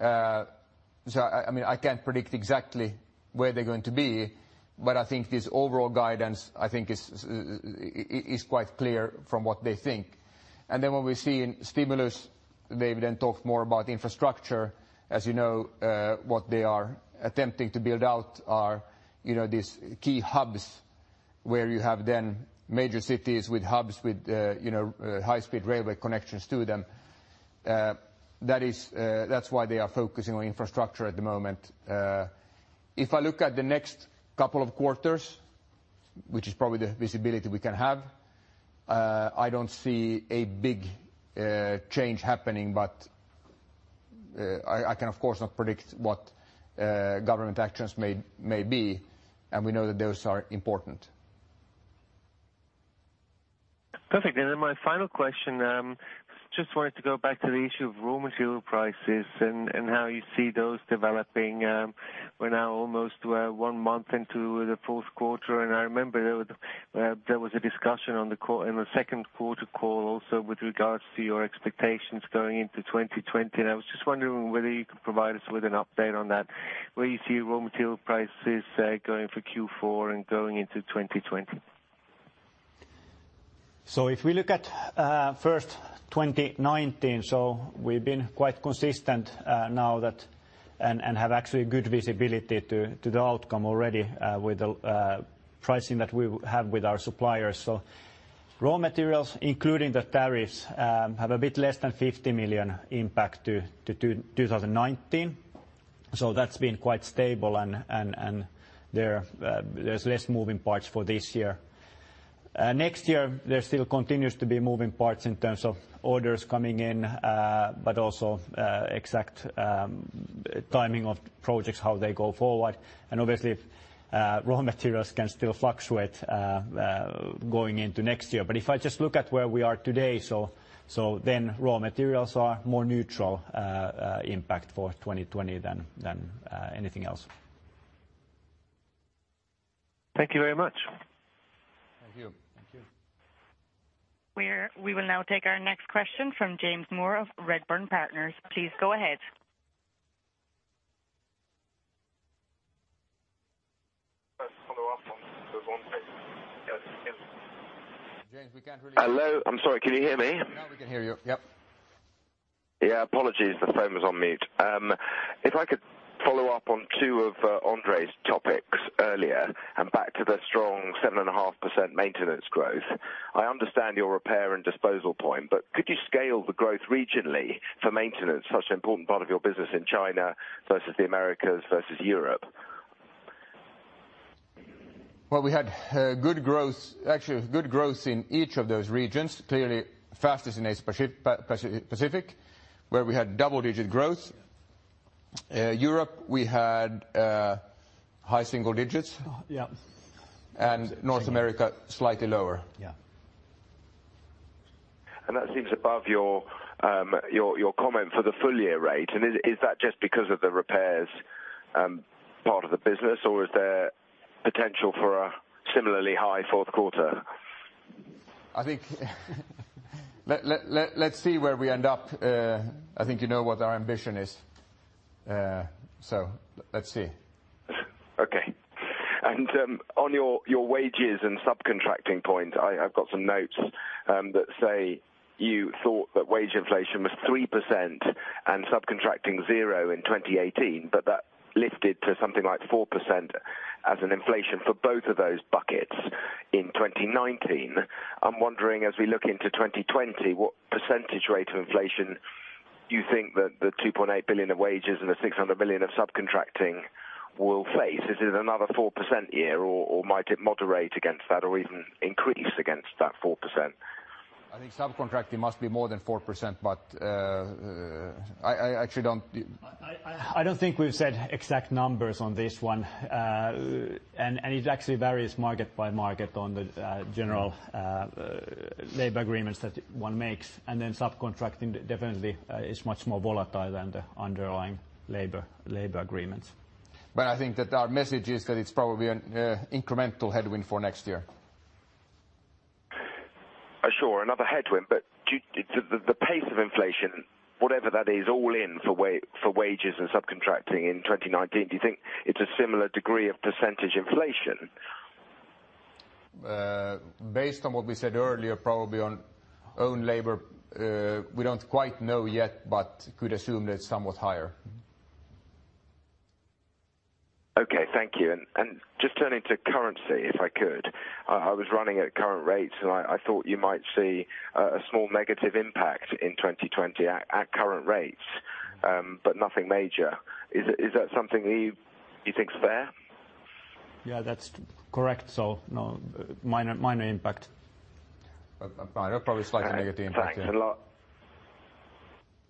I can't predict exactly where they're going to be, but I think this overall guidance is quite clear from what they think. When we see in stimulus, they then talk more about infrastructure. As you know, what they are attempting to build out are these key hubs where you have then major cities with hubs with high-speed railway connections to them. That's why they are focusing on infrastructure at the moment. If I look at the next couple of quarters, which is probably the visibility we can have, I don't see a big change happening, but I can, of course, not predict what government actions may be, and we know that those are important. Perfect. My final question, just wanted to go back to the issue of raw material prices and how you see those developing. We're now almost one month into the fourth quarter. I remember there was a discussion in the second quarter call also with regards to your expectations going into 2020. I was just wondering whether you could provide us with an update on that, where you see raw material prices going for Q4 and going into 2020. If we look at first 2019, we've been quite consistent now and have actually good visibility to the outcome already with the pricing that we have with our suppliers. Raw materials, including the tariffs, have a bit less than 50 million impact to 2019. That's been quite stable and there's less moving parts for this year. Next year, there still continues to be moving parts in terms of orders coming in, but also exact timing of projects, how they go forward. Obviously, raw materials can still fluctuate going into next year. If I just look at where we are today, raw materials are more neutral impact for 2020 than anything else. Thank you very much. Thank you. Thank you. We will now take our next question from James Moore of Redburn Partners. Please go ahead. James, we can't hear you. Hello. I'm sorry, can you hear me? Now we can hear you, yep. Apologies. The phone was on mute. If I could follow up on two of Andre's topics earlier, back to the strong 7.5% maintenance growth. I understand your repair and disposal point, could you scale the growth regionally for maintenance, such an important part of your business in China versus the Americas versus Europe? Well, we had good growth, actually, good growth in each of those regions. Clearly fastest in Asia Pacific, where we had double-digit growth. Europe, we had high single digits. Yeah. North America, slightly lower. Yeah. That seems above your comment for the full year rate. Is that just because of the repairs part of the business, or is there potential for a similarly high fourth quarter? I think let's see where we end up. I think you know what our ambition is. Let's see. Okay. On your wages and subcontracting point, I've got some notes, that say you thought that wage inflation was 3% and subcontracting 0 in 2018, but that lifted to something like 4% as an inflation for both of those buckets in 2019. I'm wondering, as we look into 2020, what % rate of inflation do you think that the 2.8 billion of wages and the 600 million of subcontracting will face? Is it another 4% year, or might it moderate against that or even increase against that 4%? I think subcontracting must be more than 4%, but I actually don't. I don't think we've said exact numbers on this one. It actually varies market by market on the general labor agreements that one makes, and then subcontracting definitely is much more volatile than the underlying labor agreements. I think that our message is that it's probably an incremental headwind for next year. Sure, another headwind. The pace of inflation, whatever that is all in for wages and subcontracting in 2019, do you think it's a similar degree of % inflation? Based on what we said earlier, probably on own labor, we don't quite know yet, but could assume that it's somewhat higher. Okay. Thank you. Just turning to currency, if I could. I was running at current rates, and I thought you might see a small negative impact in 2020 at current rates, but nothing major. Is that something you think is fair? Yeah, that's correct. No, minor impact. Probably slightly negative impact, yeah. Thanks a lot.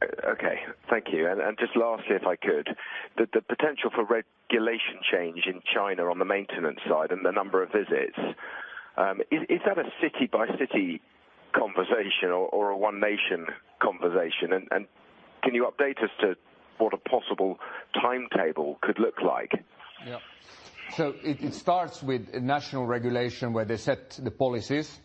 Okay. Thank you. Just lastly, if I could, the potential for regulation change in China on the maintenance side and the number of visits, is that a city-by-city conversation or a one nation conversation? Can you update us to what a possible timetable could look like? Yeah. It starts with national regulation, where they set the policies,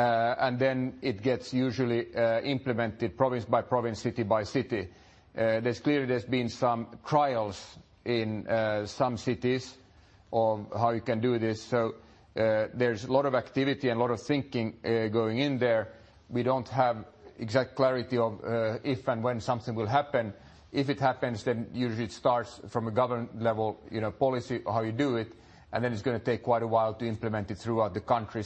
and then it gets usually implemented province by province, city by city. There's clearly been some trials in some cities on how you can do this. There's a lot of activity and a lot of thinking going in there. We don't have exact clarity of if and when something will happen. If it happens, usually it starts from a government level policy, how you do it, and then it's going to take quite a while to implement it throughout the country.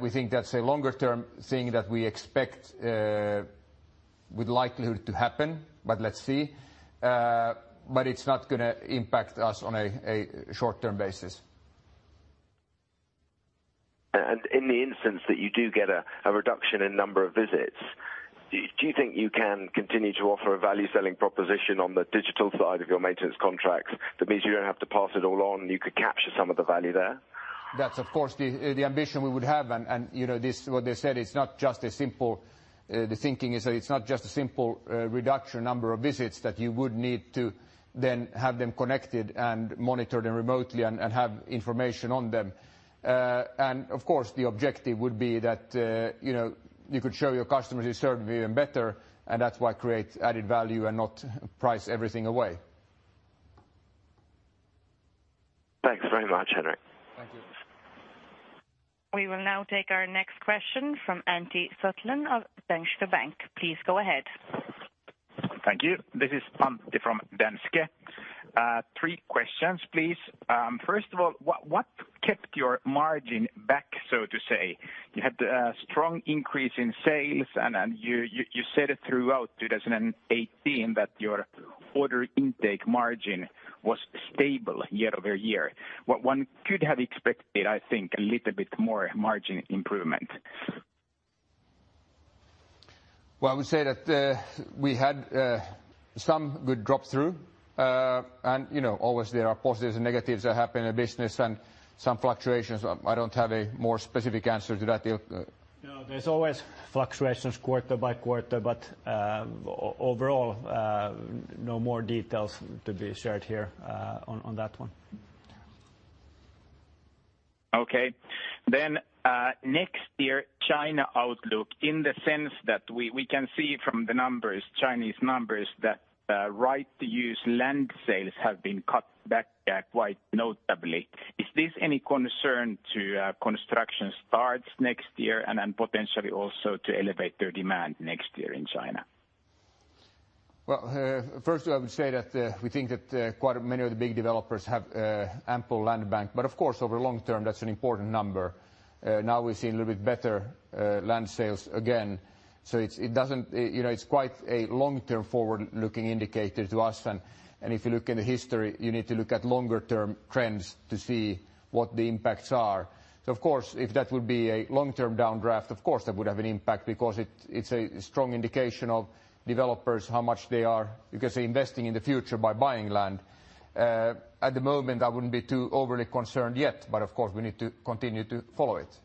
We think that's a longer term thing that we expect with likelihood to happen, but let's see. It's not going to impact us on a short-term basis. In the instance that you do get a reduction in number of visits, do you think you can continue to offer a value selling proposition on the digital side of your maintenance contracts, that means you don't have to pass it all on, you could capture some of the value there? That's of course the ambition we would have, and what they said, the thinking is that it's not just a simple reduction number of visits that you would need to then have them connected and monitored and remotely and have information on them. Of course, the objective would be that you could show your customers you serve them even better, and that's what creates added value and not price everything away. Thanks very much, Henrik. Thank you. We will now take our next question from Antti Suttelin of Danske Bank. Please go ahead. Thank you. This is Antti from Danske. Three questions, please. First of all, what kept your margin back, so to say? You had a strong increase in sales, and you said it throughout 2018 that your order intake margin was stable year-over-year. What one could have expected, I think, a little bit more margin improvement. Well, I would say that we had some good drop through. Always there are positives and negatives that happen in business and some fluctuations. I don't have a more specific answer to that, Ilkka. No, there's always fluctuations quarter by quarter, but overall, no more details to be shared here on that one. Okay. Next year, China outlook, in the sense that we can see from the numbers, Chinese numbers, that right to use land sales have been cut back quite notably. Is this any concern to construction starts next year and potentially also to elevator demand next year in China? First I would say that we think that quite many of the big developers have ample land bank, but of course, over long term, that's an important number. We're seeing a little bit better land sales again, so it's quite a long-term forward-looking indicator to us and if you look in the history, you need to look at longer term trends to see what the impacts are. Of course, if that would be a long-term downdraft, of course, that would have an impact because it's a strong indication of developers, how much they are, you can say, investing in the future by buying land. At the moment, I wouldn't be too overly concerned yet, but of course, we need to continue to follow it.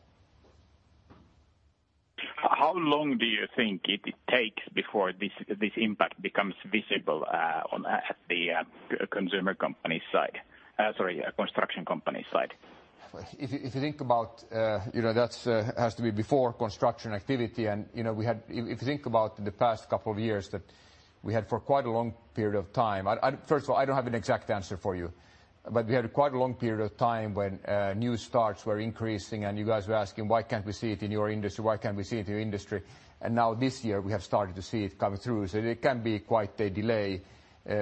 How long do you think it takes before this impact becomes visible at the consumer company side? Sorry, construction company side. If you think about, that has to be before construction activity, and if you think about the past couple of years, that we had for quite a long period of time. First of all, I don't have an exact answer for you, but we had quite a long period of time when new starts were increasing and you guys were asking, "Why can't we see it in your industry? Why can't we see it in your industry?" Now this year, we have started to see it coming through, so there can be quite a delay,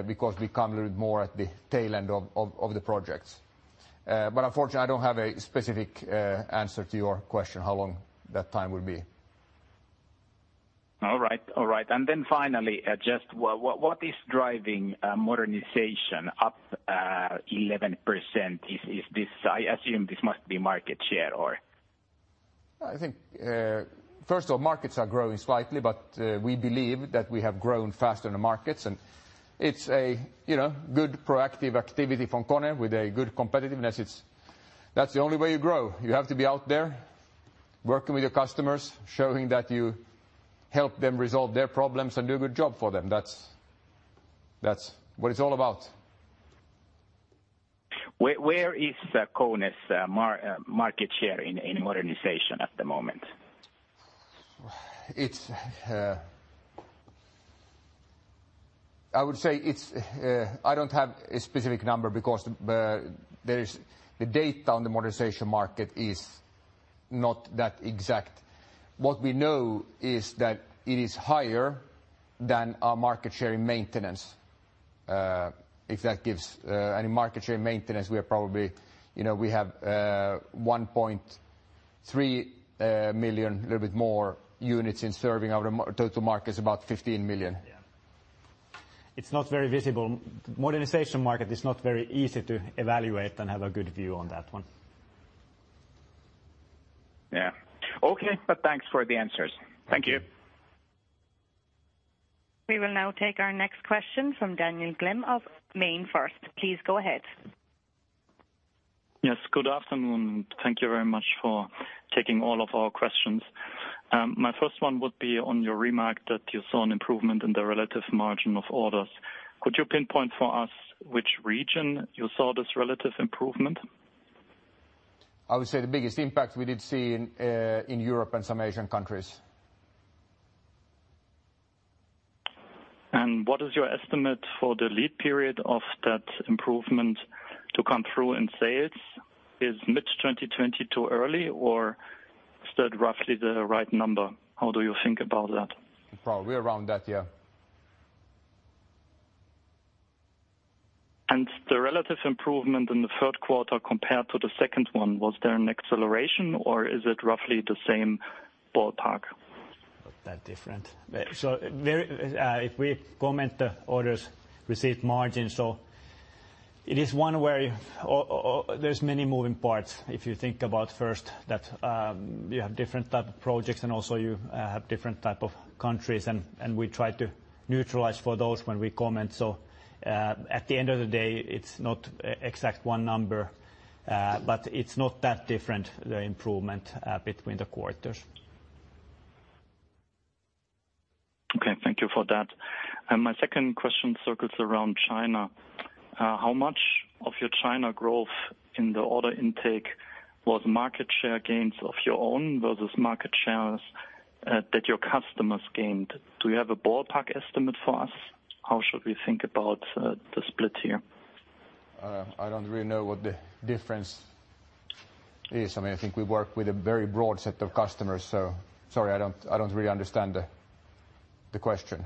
because we come a little more at the tail end of the projects. Unfortunately, I don't have a specific answer to your question, how long that time will be. All right. Finally, just what is driving modernization up 11%? I assume this must be market share or I think, first of all, markets are growing slightly. We believe that we have grown faster in the markets. It's a good proactive activity from KONE with a good competitiveness. That's the only way you grow. You have to be out there working with your customers, showing that you help them resolve their problems and do a good job for them. That's what it's all about. Where is KONE's market share in modernization at the moment? I would say I don't have a specific number because the data on the modernization market is not that exact. What we know is that it is higher than our market share in maintenance, if that gives. In market share in maintenance, we have 1.3 million, a little bit more units in serving. Our total market is about 15 million. Yeah. It's not very visible. Modernization market is not very easy to evaluate and have a good view on that one. Yeah. Okay, thanks for the answers. Thank you. We will now take our next question from Daniel Gleim of MainFirst. Please go ahead. Yes, good afternoon. Thank you very much for taking all of our questions. My first one would be on your remark that you saw an improvement in the relative margin of orders. Could you pinpoint for us which region you saw this relative improvement? I would say the biggest impact we did see in Europe and some Asian countries. What is your estimate for the lead period of that improvement to come through in sales? Is mid-2020 too early, or is that roughly the right number? How do you think about that? Probably around that, yeah. The relative improvement in the third quarter compared to the second one, was there an acceleration or is it roughly the same ballpark? Not that different. If we comment the orders received margin, it is one where there's many moving parts. If you think about first that you have different type of projects and also you have different type of countries and we try to neutralize for those when we comment. At the end of the day, it's not exact one number, but it's not that different, the improvement between the quarters. Okay, thank you for that. My second question circles around China. How much of your China growth in the order intake was market share gains of your own versus market shares that your customers gained. Do you have a ballpark estimate for us? How should we think about the split here? I don't really know what the difference is. I think we work with a very broad set of customers, so sorry, I don't really understand the question.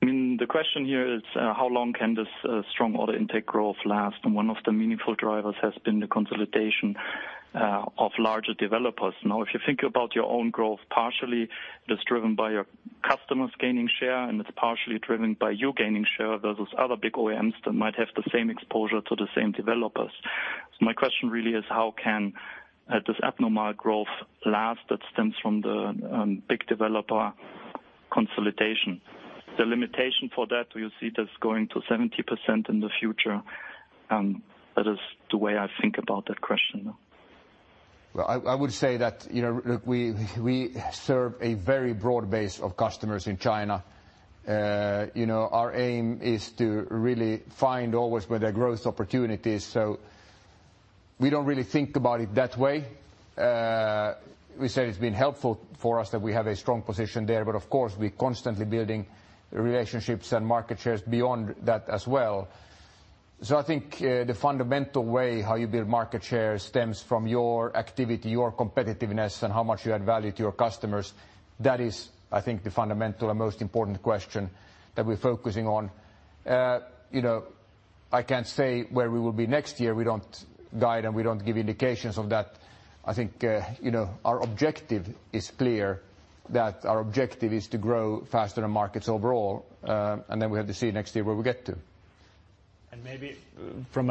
The question here is, how long can this strong order intake growth last? One of the meaningful drivers has been the consolidation of larger developers. If you think about your own growth, partially it is driven by your customers gaining share, and it's partially driven by you gaining share versus other big OEMs that might have the same exposure to the same developers. My question really is, how can this abnormal growth last that stems from the big developer consolidation? The limitation for that, we will see that's going to 70% in the future, that is the way I think about that question now. Well, I would say that we serve a very broad base of customers in China. Our aim is to really find always where there are growth opportunities, so we don't really think about it that way. We say it's been helpful for us that we have a strong position there, but of course, we're constantly building relationships and market shares beyond that as well. I think the fundamental way how you build market share stems from your activity, your competitiveness, and how much you add value to your customers. That is, I think, the fundamental and most important question that we're focusing on. I can't say where we will be next year. We don't guide, and we don't give indications of that. I think, our objective is clear that our objective is to grow faster than markets overall, and then we have to see next year where we get to. Maybe from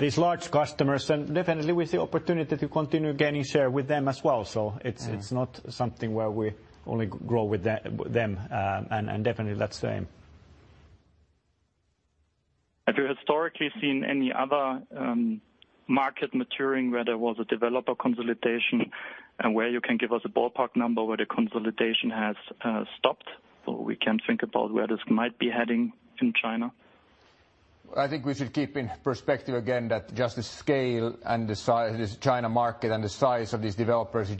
these large customers then definitely we see opportunity to continue gaining share with them as well. It's not something where we only grow with them, and definitely that's the aim. Have you historically seen any other market maturing where there was a developer consolidation and where you can give us a ballpark number where the consolidation has stopped so we can think about where this might be heading in China? I think we should keep in perspective again that just the scale and the size of this China market and the size of these developers,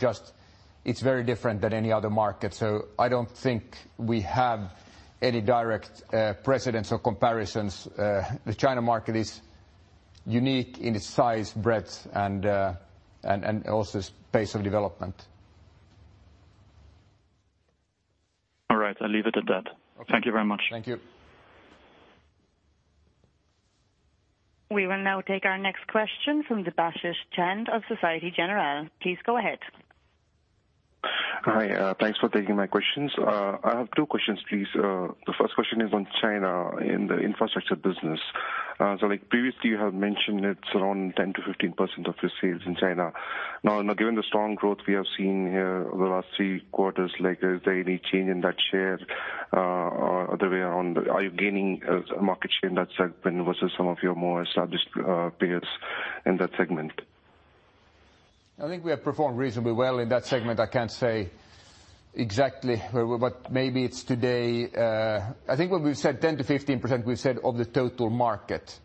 it's very different than any other market. I don't think we have any direct precedents or comparisons. The China market is unique in its size, breadth, and also pace of development. All right, I'll leave it at that. Okay. Thank you very much. Thank you. We will now take our next question from Debashis Chand of Societe Generale. Please go ahead. Hi, thanks for taking my questions. I have two questions, please. The first question is on China in the infrastructure business. Like previously, you have mentioned it's around 10%-15% of your sales in China. Now, given the strong growth we have seen here over the last three quarters, like is there any change in that share, or other way around, are you gaining market share in that segment versus some of your more established peers in that segment? I think we have performed reasonably well in that segment. I can't say exactly where maybe it's today, I think what we've said, 10%-15%, we've said of the total market.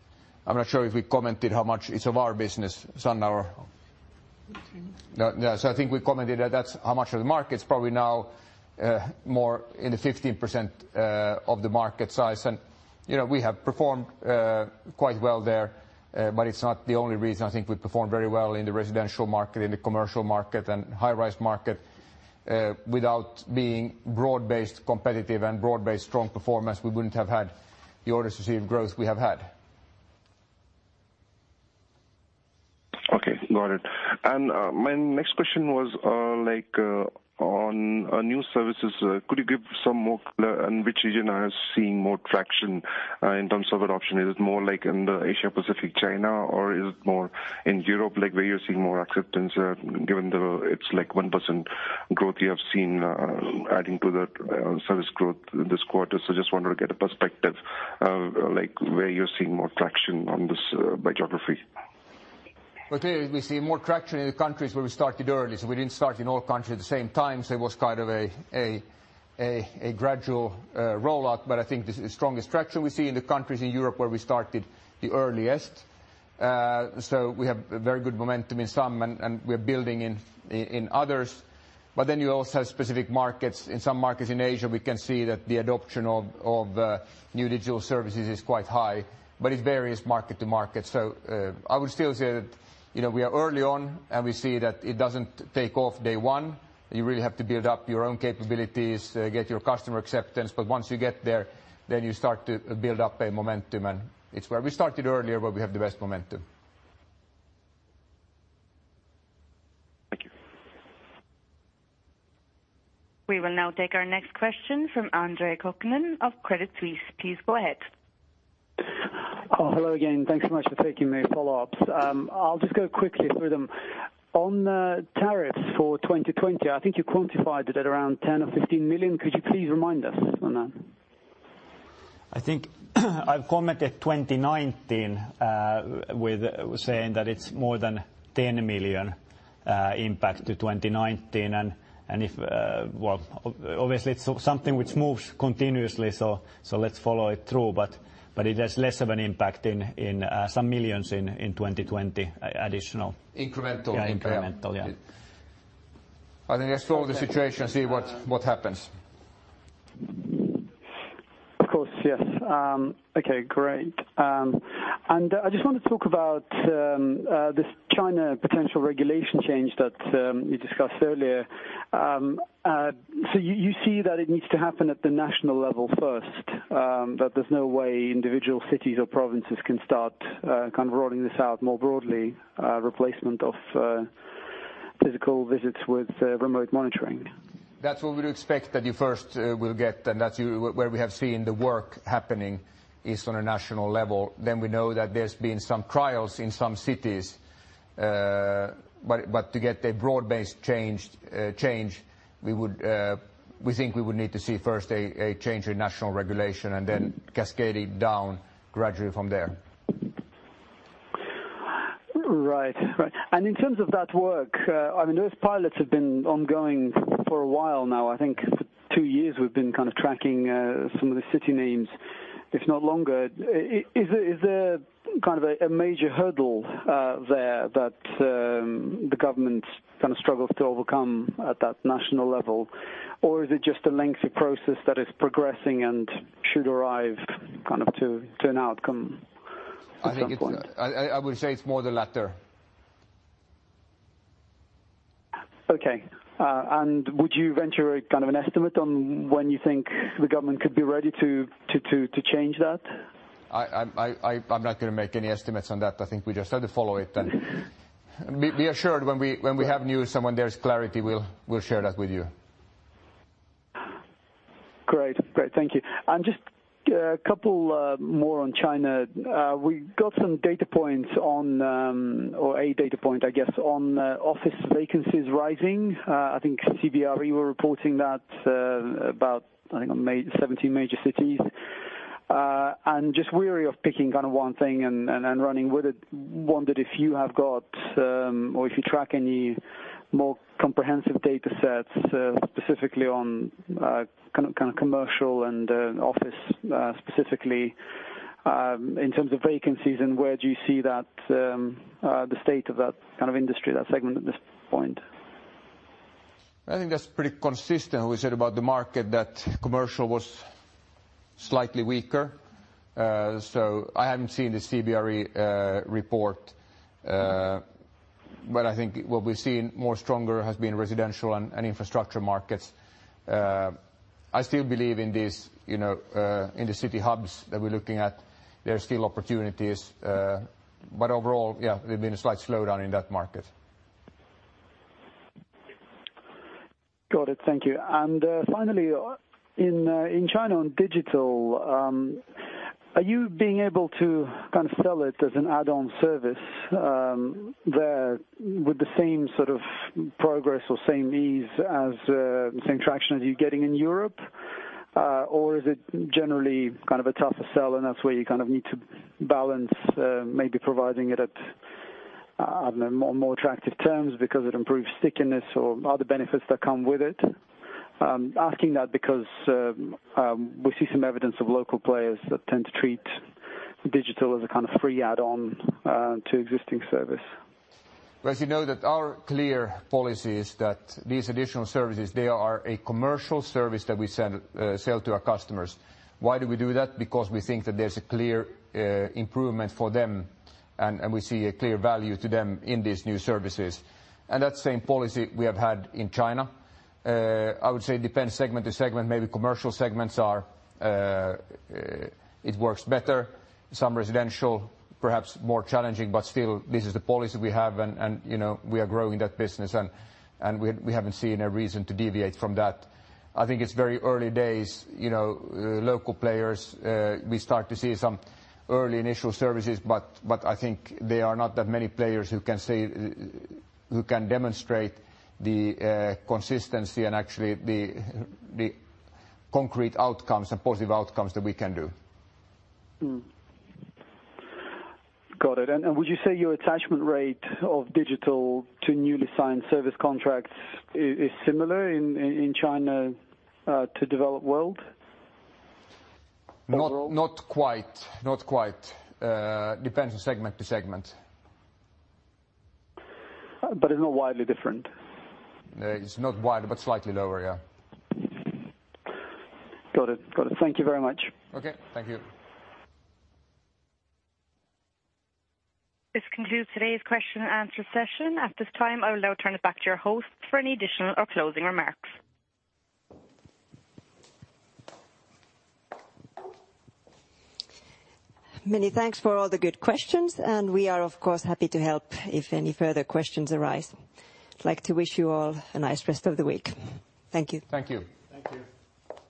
I'm not sure if we commented how much is of our business, Sanna. I think- No. I think we've commented that that's how much of the market's probably now more in the 15% of the market size. We have performed quite well there, but it's not the only reason. I think we performed very well in the residential market, in the commercial market, and high-rise market. Without being broad-based competitive and broad-based strong performance, we wouldn't have had the orders received growth we have had. Okay, got it. My next question was on our new services. Could you give some more color on which region are seeing more traction in terms of adoption? Is it more like in the Asia-Pacific, China, or is it more in Europe, like where you're seeing more acceptance? Given that it's like 1% growth you have seen adding to that service growth this quarter. Just wanted to get a perspective of where you're seeing more traction on this by geography. Well, clearly we see more traction in the countries where we started early, so we didn't start in all countries at the same time. It was kind of a gradual rollout, but I think the strongest traction we see in the countries in Europe where we started the earliest. We have very good momentum in some, and we're building in others. You also have specific markets. In some markets in Asia, we can see that the adoption of new digital services is quite high, but it varies market to market. I would still say that we are early on, and we see that it doesn't take off day one. You really have to build up your own capabilities, get your customer acceptance. Once you get there, then you start to build up a momentum, and it's where we started earlier where we have the best momentum. Thank you. We will now take our next question from Andre Kukhnin of Credit Suisse. Please go ahead. Oh, hello again. Thanks so much for taking these follow-ups. I'll just go quickly through them. On the tariffs for 2020, I think you quantified it at around 10 million or 15 million. Could you please remind us on that? I think I've commented 2019 with saying that it's more than 10 million impact to 2019, and well, obviously it's something which moves continuously, so let's follow it through, but it has less of an impact in some millions in 2020, additional. Incremental impact. Yeah, incremental, yeah. I think let's follow the situation, see what happens. Of course, yes. Okay, great. I just want to talk about this China potential regulation change that you discussed earlier. You see that it needs to happen at the national level first, that there's no way individual cities or provinces can start rolling this out more broadly, replacement of physical visits with remote monitoring. That's what we'd expect that you first will get, and that's where we have seen the work happening is on a national level. We know that there's been some trials in some cities. To get a broad-based change, we think we would need to see first a change in national regulation and then cascade it down gradually from there. Right. In terms of that work, those pilots have been ongoing for a while now. I think for two years we've been tracking some of the city names, if not longer. Is there a major hurdle there that the government struggles to overcome at that national level, or is it just a lengthy process that is progressing and should arrive to an outcome at some point? I would say it's more the latter. Okay. Would you venture an estimate on when you think the government could be ready to change that? I'm not going to make any estimates on that. I think we just have to follow it. Be assured when we have news and when there's clarity, we'll share that with you. Great. Thank you. Just a couple more on China. We got some data points on, or a data point I guess, on office vacancies rising. I think CBRE were reporting that about, I think, 17 major cities. Just wary of picking one thing and then running with it, wondered if you have got or if you track any more comprehensive data sets, specifically on commercial and office, specifically in terms of vacancies and where do you see the state of that industry, that segment at this point? I think that's pretty consistent how we said about the market, that commercial was slightly weaker. I haven't seen the CBRE report, but I think what we've seen more stronger has been residential and infrastructure markets. I still believe in the city hubs that we're looking at. There are still opportunities. Overall, yeah, there's been a slight slowdown in that market. Got it. Thank you. Finally, in China on digital, are you being able to sell it as an add-on service there with the same sort of progress or same ease as, same traction as you're getting in Europe? Is it generally a tougher sell and that's where you need to balance maybe providing it at, I don't know, more attractive terms because it improves stickiness or other benefits that come with it? I'm asking that because we see some evidence of local players that tend to treat digital as a kind of free add-on to existing service. Well, as you know that our clear policy is that these additional services, they are a commercial service that we sell to our customers. Why do we do that? We think that there's a clear improvement for them and we see a clear value to them in these new services. That same policy we have had in China. I would say it depends segment to segment. Maybe commercial segments it works better. Some residential, perhaps more challenging, but still, this is the policy we have and we are growing that business and we haven't seen a reason to deviate from that. I think it's very early days. Local players, we start to see some early initial services, but I think there are not that many players who can demonstrate the consistency and actually the concrete outcomes and positive outcomes that we can do. Would you say your attachment rate of digital to newly signed service contracts is similar in China to developed world overall? Not quite. Depends on segment to segment. It's not widely different? It's not wide, but slightly lower, yeah. Got it. Thank you very much. Okay. Thank you. This concludes today's question and answer session. At this time, I will now turn it back to your host for any additional or closing remarks. Many thanks for all the good questions. We are of course happy to help if any further questions arise. I'd like to wish you all a nice rest of the week. Thank you. Thank you. Thank you.